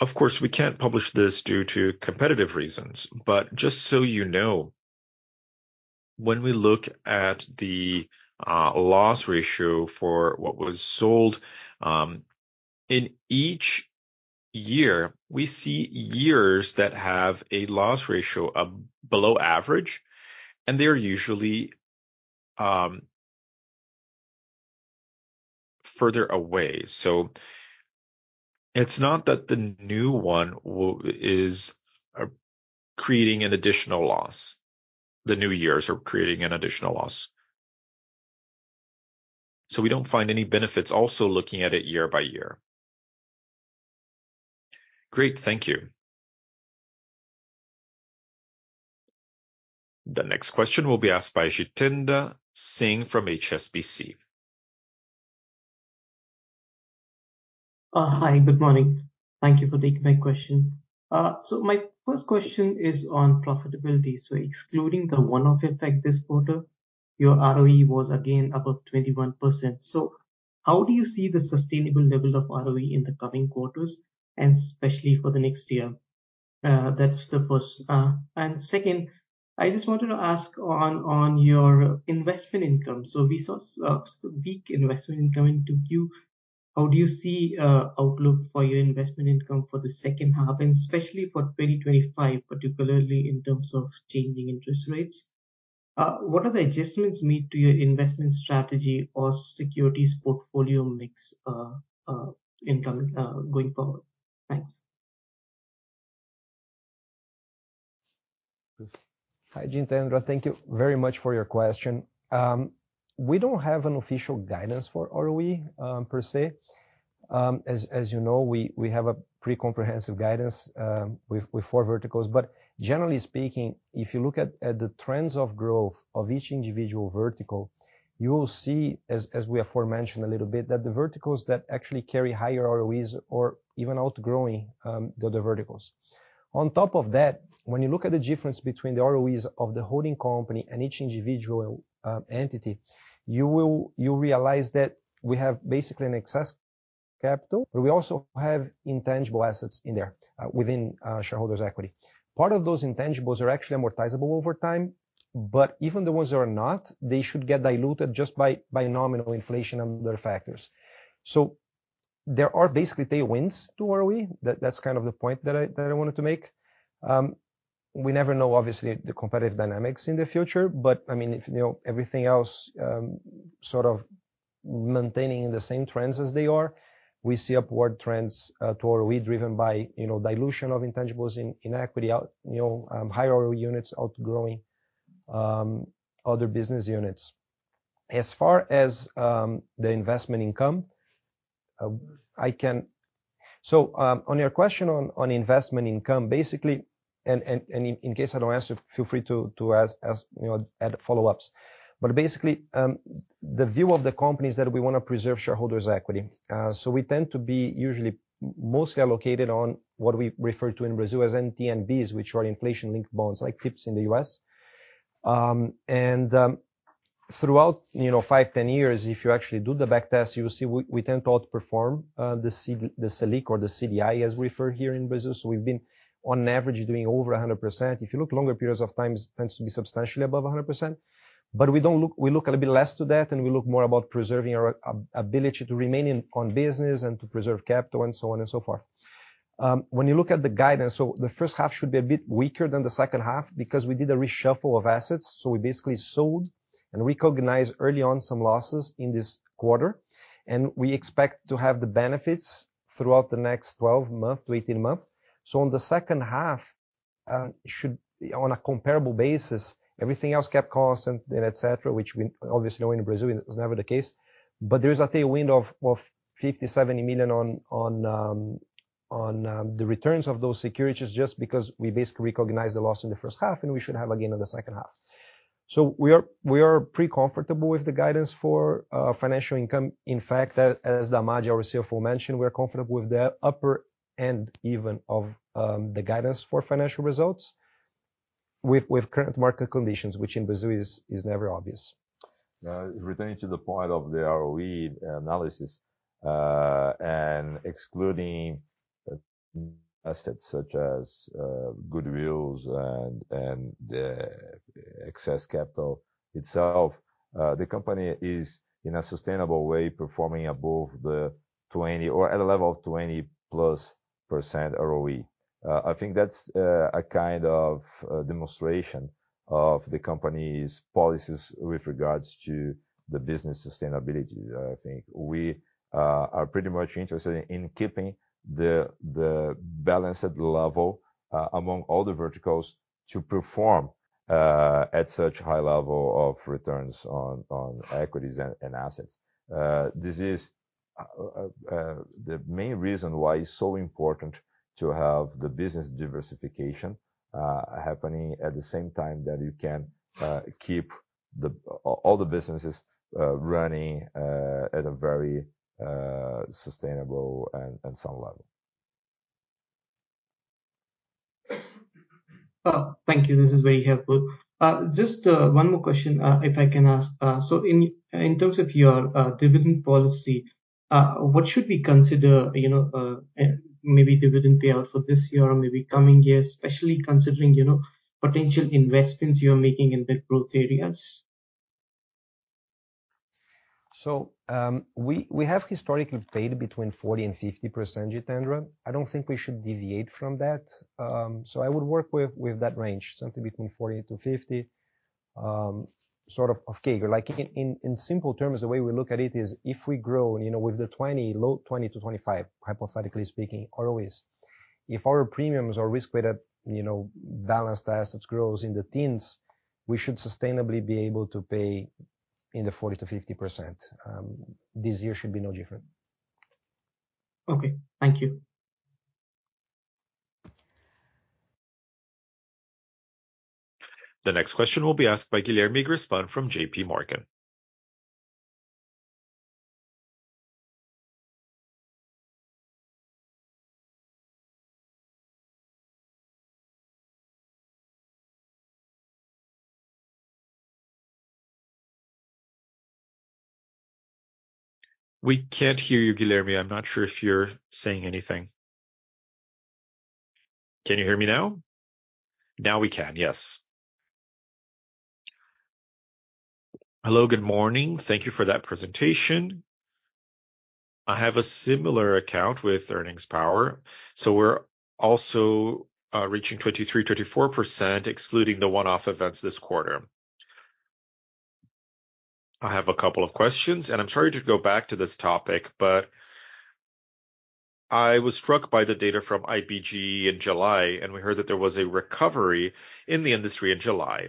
Of course, we can't publish this due to competitive reasons, but just so you know, when we look at the loss ratio for what was sold in each year, we see years that have a loss ratio of below average, and they're usually further away. So it's not that the new one is creating an additional loss, the new years are creating an additional loss. So we don't find any benefits also looking at it year by year. Great, thank you. The next question will be asked by Jitendra Singh from HSBC. Hi, good morning. Thank you for taking my question. So my first question is on profitability. So excluding the one-off effect this quarter, your ROE was again above 21%. So how do you see the sustainable level of ROE in the coming quarters, and especially for the next year? That's the first. And second, I just wanted to ask on, on your investment income. So we saw weak investment income into Q. How do you see outlook for your investment income for the second half, and especially for 2025, particularly in terms of changing interest rates? What are the adjustments made to your investment strategy or securities portfolio mix, in coming, going forward? Thanks. Hi, Jitendra. Thank you very much for your question. We don't have an official guidance for ROE, per se. As you know, we have a pretty comprehensive guidance with four verticals. But generally speaking, if you look at the trends of growth of each individual vertical, you will see, as we aforementioned a little bit, that the verticals that actually carry higher ROEs or even outgrowing the other verticals. On top of that, when you look at the difference between the ROEs of the holding company and each individual entity, you will realize that we have basically an excess capital, but we also have intangible assets in there, within our shareholders' equity. Part of those intangibles are actually amortizable over time, but even the ones that are not, they should get diluted just by nominal inflation and other factors. So there are basically tailwinds to ROE. That's kind of the point that I wanted to make. We never know, obviously, the competitive dynamics in the future, but, I mean, if, you know, everything else sort of maintaining the same trends as they are, we see upward trends to ROE, driven by, you know, dilution of intangibles in equity, higher ROE units outgrowing other business units. As far as the investment income, so on your question on investment income, basically, and in case I don't answer, feel free to ask, you know, add follow-ups. But basically, the view of the company is that we wanna preserve shareholders' equity. So we tend to be usually mostly allocated on what we refer to in Brazil as NTN-Bs, which are inflation-linked bonds, like TIPS in the US. Throughout, you know, 5, 10 years, if you actually do the back test, you will see we tend to outperform the SELIC or the CDI, as referred here in Brazil. So we've been, on average, doing over 100%. If you look longer periods of times, tends to be substantially above 100%. But we don't look to that. We look a little bit less to that, and we look more about preserving our ability to remain in business and to preserve capital, and so on and so forth. When you look at the guidance, the first half should be a bit weaker than the second half because we did a reshuffle of assets. We basically sold and recognized early on some losses in this quarter, and we expect to have the benefits throughout the next 12 month to 18 month. In the second half, should, on a comparable basis, everything else kept constant and et cetera, which we obviously know in Brazil, it was never the case. But there is, I think, a wind of 50-70 million on the returns of those securities, just because we basically recognized the loss in the first half, and we should have again in the second half. We are, we are pretty comfortable with the guidance for financial income. In fact, as Damadi, our CFO, mentioned, we're comfortable with the upper end even of the guidance for financial results with current market conditions, which in Brazil is never obvious. Now, returning to the point of the ROE analysis, and excluding assets such as goodwill and excess capital itself, the company is, in a sustainable way, performing above 20 or at a level of 20+% ROE. I think that's a kind of demonstration of the company's policies with regards to the business sustainability. I think we are pretty much interested in keeping the balanced level among all the verticals to perform at such high level of returns on equities and assets. This is the main reason why it's so important to have the business diversification happening at the same time that you can keep all the businesses running at a very sustainable and sound level. Thank you. This is very helpful. Just one more question, if I can ask. So in terms of your dividend policy, what should we consider, you know, maybe dividend payout for this year or maybe coming years, especially considering, you know, potential investments you're making in the growth areas? We have historically paid between 40% and 50%, Jitendra. I don't think we should deviate from that. So I would work with that range, something between 40-50, sort of figure. Like, in simple terms, the way we look at it is, if we grow, you know, with the 20, low 20-25, hypothetically speaking, ROEs, if our premiums or risk-weighted, you know, balanced assets grows in the teens, we should sustainably be able to pay in the 40%-50%. This year should be no different. Okay. Thank you. The next question will be asked by Guilherme Grespan from J.P. Morgan. We can't hear you, Guilherme. I'm not sure if you're saying anything. Can you hear me now? Now we can, yes. Hello, good morning. Thank you for that presentation. I have a similar account with earnings power, so we're also reaching 23%-24%, excluding the one-off events this quarter. I have a couple of questions, and I'm sorry to go back to this topic, but I was struck by the data from IPG in July, and we heard that there was a recovery in the industry in July.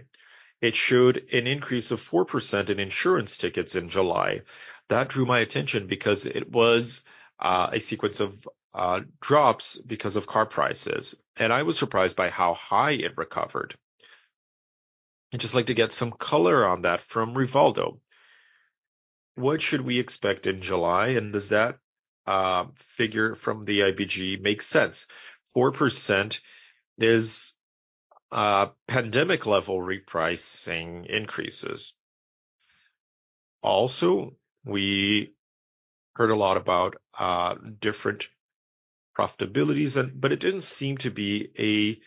It showed an increase of 4% in insurance tickets in July. That drew my attention because it was a sequence of drops because of car prices, and I was surprised by how high it recovered. I'd just like to get some color on that from Rivaldo. What should we expect in July, and does that figure from the IPG make sense? 4% is pandemic-level repricing increases. Also, we heard a lot about different profitabilities and... but it didn't seem to be a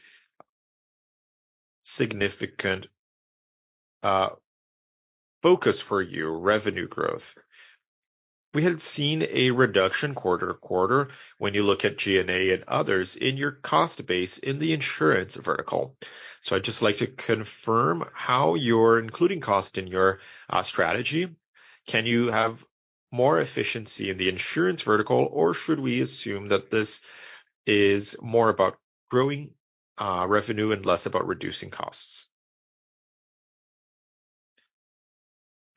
significant focus for you, revenue growth. We had seen a reduction quarter to quarter when you look at G&A and others in your cost base in the insurance vertical. So I'd just like to confirm how you're including cost in your strategy. Can you have more efficiency in the insurance vertical, or should we assume that this is more about growing revenue and less about reducing costs?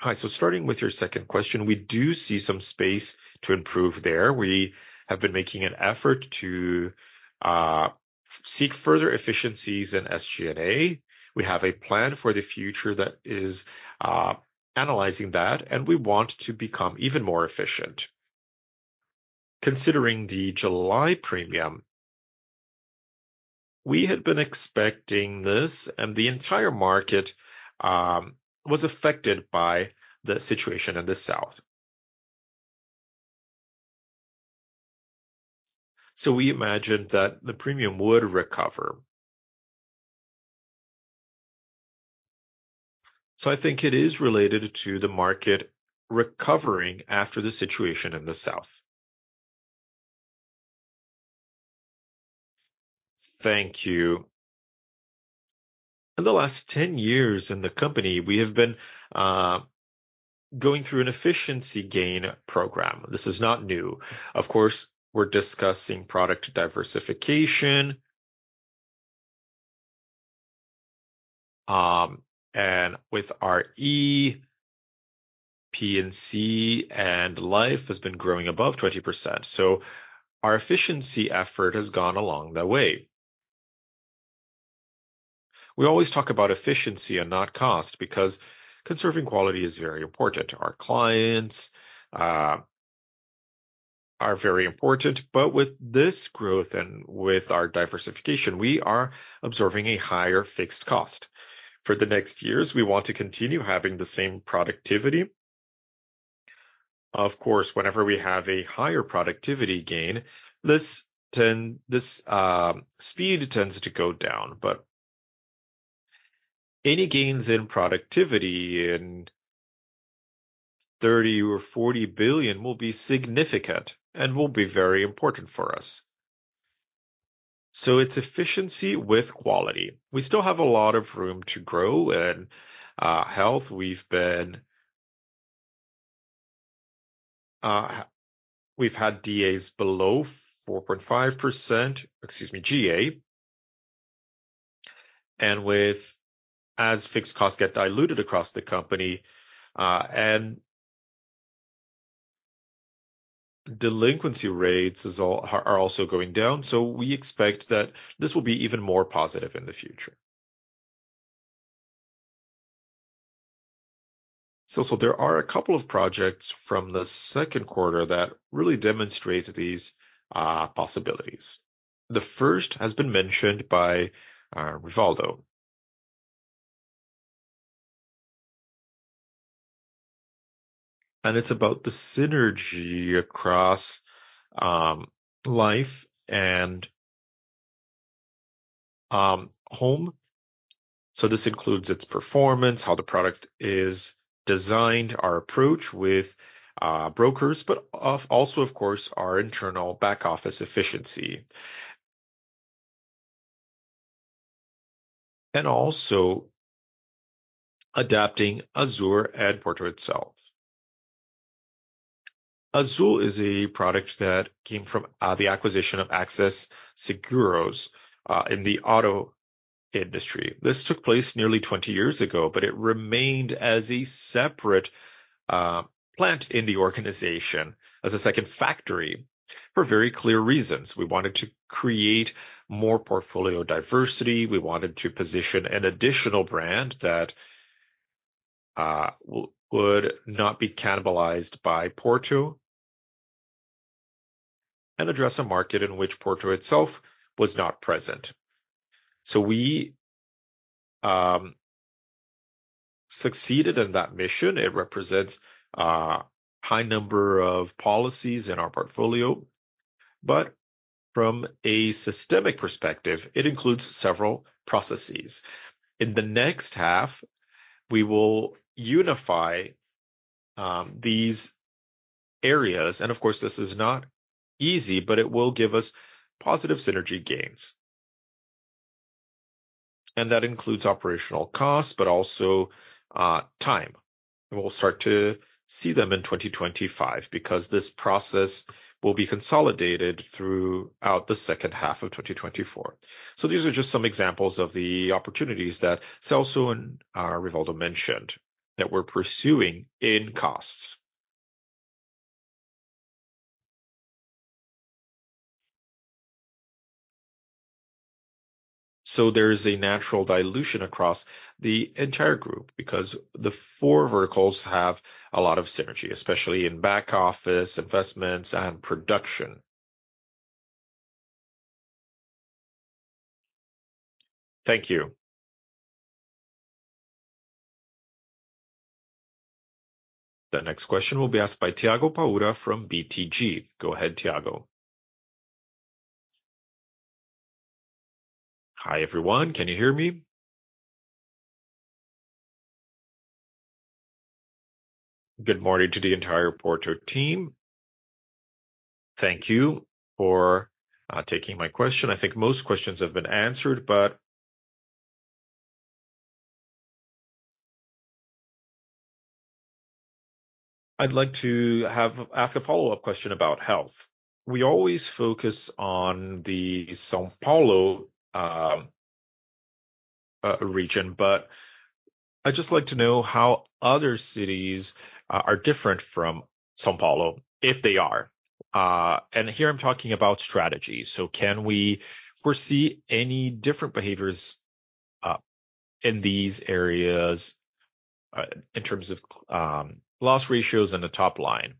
Hi, so starting with your second question, we do see some space to improve there. We have been making an effort to seek further efficiencies in SG&A. We have a plan for the future that is analyzing that, and we want to become even more efficient. Considering the July premium, we had been expecting this, and the entire market was affected by the situation in the south. So we imagined that the premium would recover. So I think it is related to the market recovering after the situation in the south. Thank you. In the last 10 years in the company, we have been going through an efficiency gain program. This is not new. Of course, we're discussing product diversification. And with our auto, P and C, and Life has been growing above 20%, so our efficiency effort has gone along the way. We always talk about efficiency and not cost, because conserving quality is very important. Our clients are very important, but with this growth and with our diversification, we are observing a higher fixed cost. For the next years, we want to continue having the same productivity. Of course, whenever we have a higher productivity gain, this speed tends to go down. But any gains in productivity in 30 billion or 40 billion will be significant and will be very important for us. So it's efficiency with quality. We still have a lot of room to grow, and health, we've been, we've had G&As below 4.5%... Excuse me, G&A. And as fixed costs get diluted across the company, and delinquency rates are also going down. So we expect that this will be even more positive in the future. So there are a couple of projects from the second quarter that really demonstrate these possibilities. The first has been mentioned by Rivaldo. It's about the synergy across life and home. So this includes its performance, how the product is designed, our approach with brokers, but also, of course, our internal back office efficiency. Also adapting Azul and Porto itself. Azul is a product that came from the acquisition of AXA Seguros in the auto industry. This took place nearly 20 years ago, but it remained as a separate plant in the organization, as a second factory, for very clear reasons. We wanted to create more portfolio diversity. We wanted to position an additional brand that would not be cannibalized by Porto and address a market in which Porto itself was not present. So we succeeded in that mission. It represents a high number of policies in our portfolio, but from a systemic perspective, it includes several processes. In the next half, we will unify these areas, and of course, this is not easy, but it will give us positive synergy gains. That includes operational costs, but also time. We'll start to see them in 2025, because this process will be consolidated throughout the second half of 2024. These are just some examples of the opportunities that Celso and Rivaldo mentioned that we're pursuing in costs. There is a natural dilution across the entire group because the four verticals have a lot of synergy, especially in back office, investments, and production. Thank you. The next question will be asked by Thiago Paura from BTG. Go ahead, Thiago. Hi, everyone. Can you hear me? Good morning to the entire Porto team. Thank you for taking my question. I think most questions have been answered, but I'd like to ask a follow-up question about health. We always focus on the São Paulo region, but I'd just like to know how other cities are different from São Paulo, if they are. And here I'm talking about strategy. So can we foresee any different behaviors in these areas in terms of loss ratios and the top line?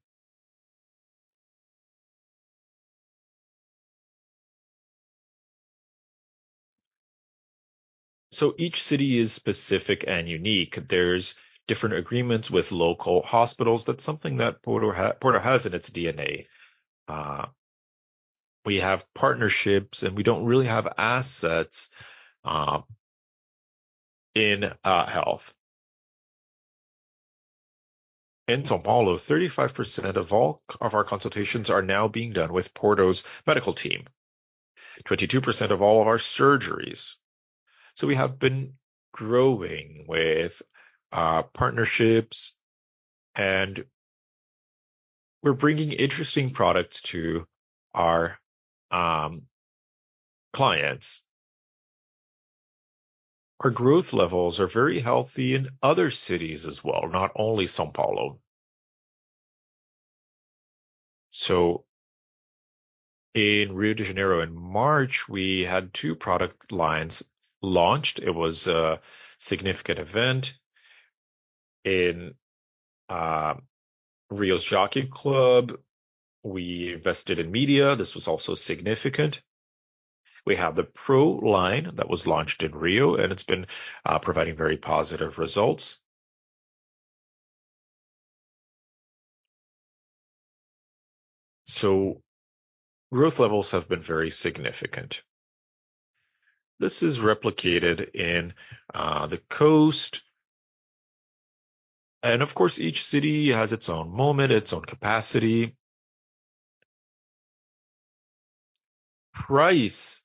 So each city is specific and unique. There's different agreements with local hospitals. That's something that Porto has in its DNA. We have partnerships, and we don't really have assets in health. In São Paulo, 35% of all of our consultations are now being done with Porto's medical team, 22% of all of our surgeries. So we have been growing with partnerships, and we're bringing interesting products to our clients. Our growth levels are very healthy in other cities as well, not only São Paulo. So in Rio de Janeiro, in March, we had two product lines launched. It was a significant event. In Rio's Jockey Club, we invested in media. This was also significant. We have the Pro line that was launched in Rio, and it's been providing very positive results. So growth levels have been very significant. This is replicated in the coast, and of course, each city has its own moment, its own capacity. Price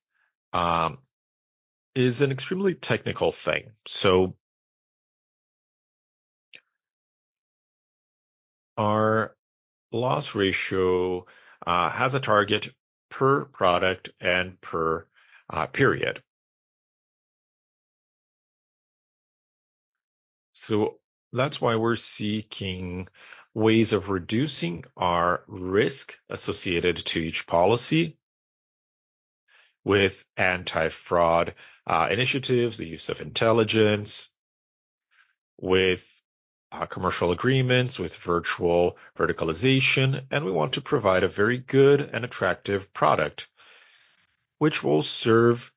is an extremely technical thing, so our loss ratio has a target per product and per period. So that's why we're seeking ways of reducing our risk associated to each policy with anti-fraud initiatives, the use of intelligence, with commercial agreements, with virtual verticalization, and we want to provide a very good and attractive product which will serve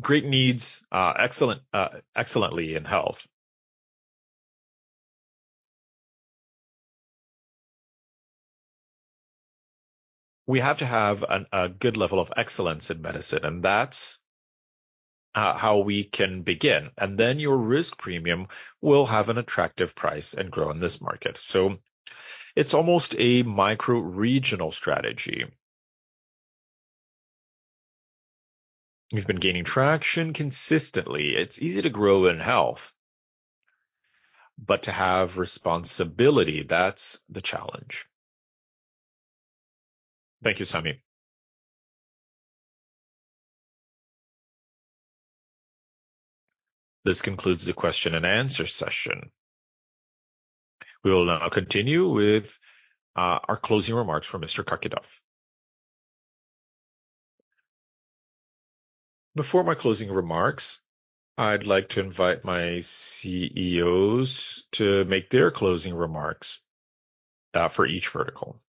great needs excellently in health. We have to have a good level of excellence in medicine, and that's how we can begin, and then your risk premium will have an attractive price and grow in this market. So it's almost a micro-regional strategy. We've been gaining traction consistently. It's easy to grow in health, but to have responsibility, that's the challenge. Thank you, Sami. This concludes the question and answer session. We will now continue with our closing remarks from Mr. Kakinoff. Before my closing remarks, I'd like to invite my CEOs to make their closing remarks, for each vertical.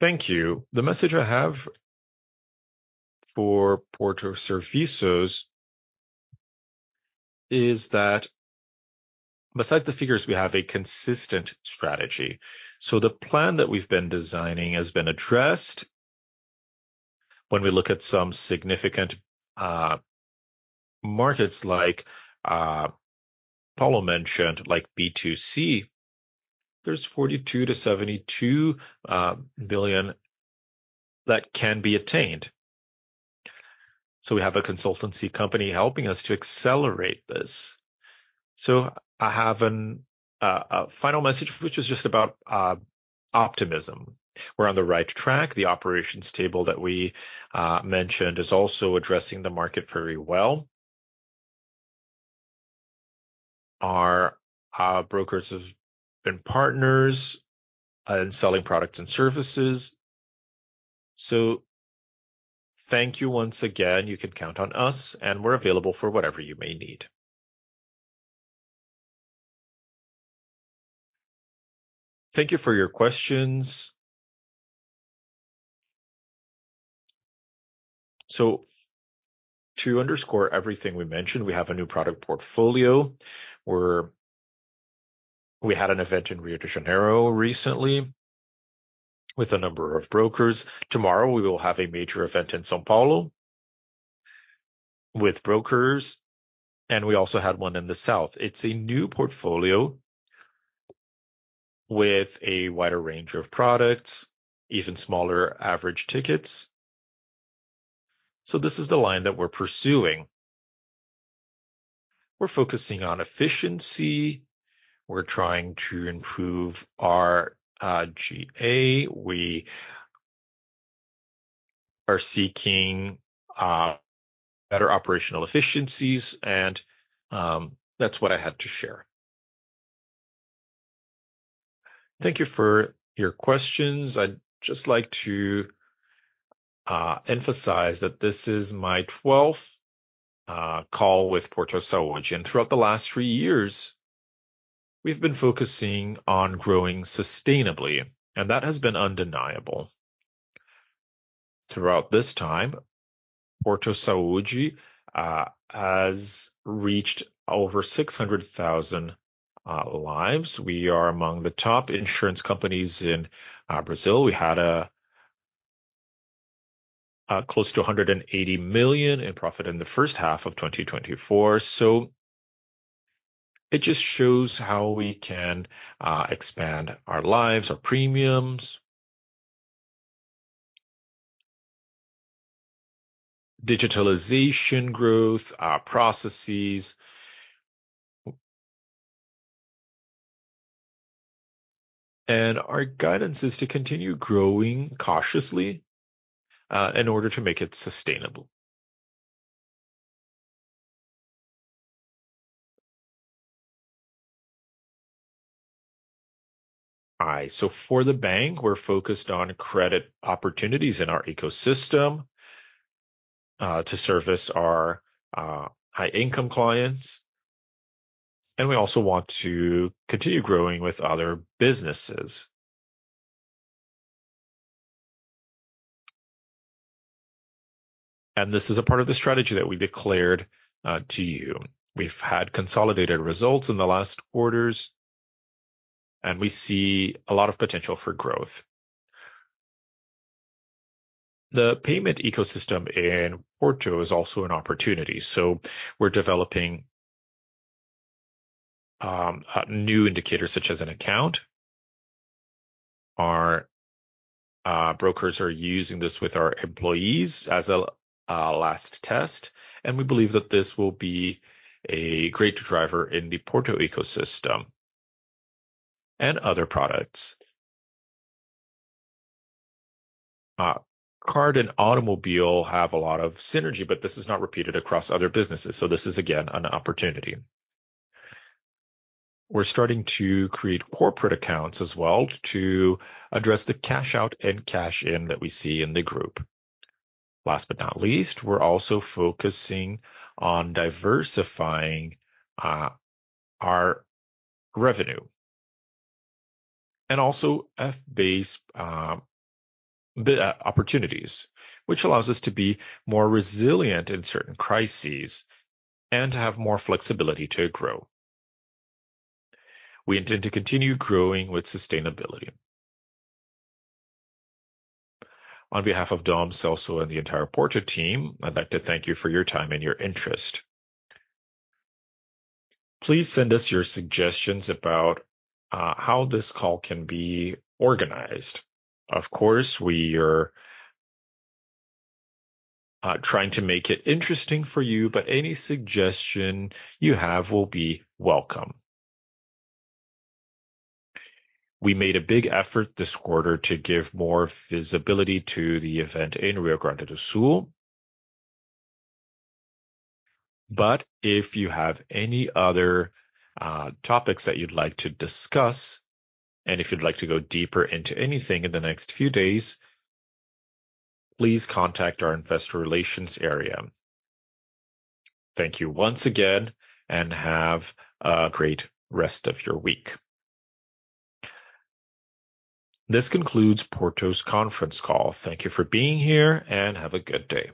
Thank you. The message I have for Porto Serviços is that besides the figures, we have a consistent strategy. So the plan that we've been designing has been addressed. When we look at some significant markets like Paulo mentioned, like B2C, there's 42 billion-72 billion that can be attained. So we have a consultancy company helping us to accelerate this. So I have a final message, which is just about optimism. We're on the right track. The operations table that we mentioned is also addressing the market very well. Our brokers have been partners in selling products and services. So thank you once again. You can count on us, and we're available for whatever you may need. Thank you for your questions. So to underscore everything we mentioned, we have a new product portfolio. We had an event in Rio de Janeiro recently with a number of brokers. Tomorrow, we will have a major event in São Paulo with brokers, and we also had one in the south. It's a new portfolio with a wider range of products, even smaller average tickets. So this is the line that we're pursuing. We're focusing on efficiency, we're trying to improve our G&A, we are seeking better operational efficiencies, and that's what I had to share. Thank you for your questions. I'd just like to emphasize that this is my twelfth call with Porto Saúde, and throughout the last three years, we've been focusing on growing sustainably, and that has been undeniable. Throughout this time, Porto Saúde has reached over 600,000 lives. We are among the top insurance companies in Brazil. We had a close to 180 million in profit in the first half of 2024. So it just shows how we can expand our lives, our premiums, digitalization growth, our processes. And our guidance is to continue growing cautiously in order to make it sustainable. Hi, so for the bank, we're focused on credit opportunities in our ecosystem to service our high-income clients, and we also want to continue growing with other businesses. And this is a part of the strategy that we declared to you. We've had consolidated results in the last quarters, and we see a lot of potential for growth. The payment ecosystem in Porto is also an opportunity, so we're developing new indicators, such as an account. Our brokers are using this with our employees as a last test, and we believe that this will be a great driver in the Porto ecosystem and other products. Card and automobile have a lot of synergy, but this is not repeated across other businesses, so this is, again, an opportunity. We're starting to create corporate accounts as well to address the cash out and cash in that we see in the group. Last but not least, we're also focusing on diversifying our revenue and also fee-based opportunities, which allows us to be more resilient in certain crises and have more flexibility to grow. We intend to continue growing with sustainability. On behalf of Dom, Celso, and the entire Porto team, I'd like to thank you for your time and your interest. Please send us your suggestions about how this call can be organized. Of course, we are trying to make it interesting for you, but any suggestion you have will be welcome. We made a big effort this quarter to give more visibility to the event in Rio Grande do Sul. But if you have any other topics that you'd like to discuss, and if you'd like to go deeper into anything in the next few days, please contact our investor relations area. Thank you once again, and have a great rest of your week. This concludes Porto's conference call. Thank you for being here, and have a good day.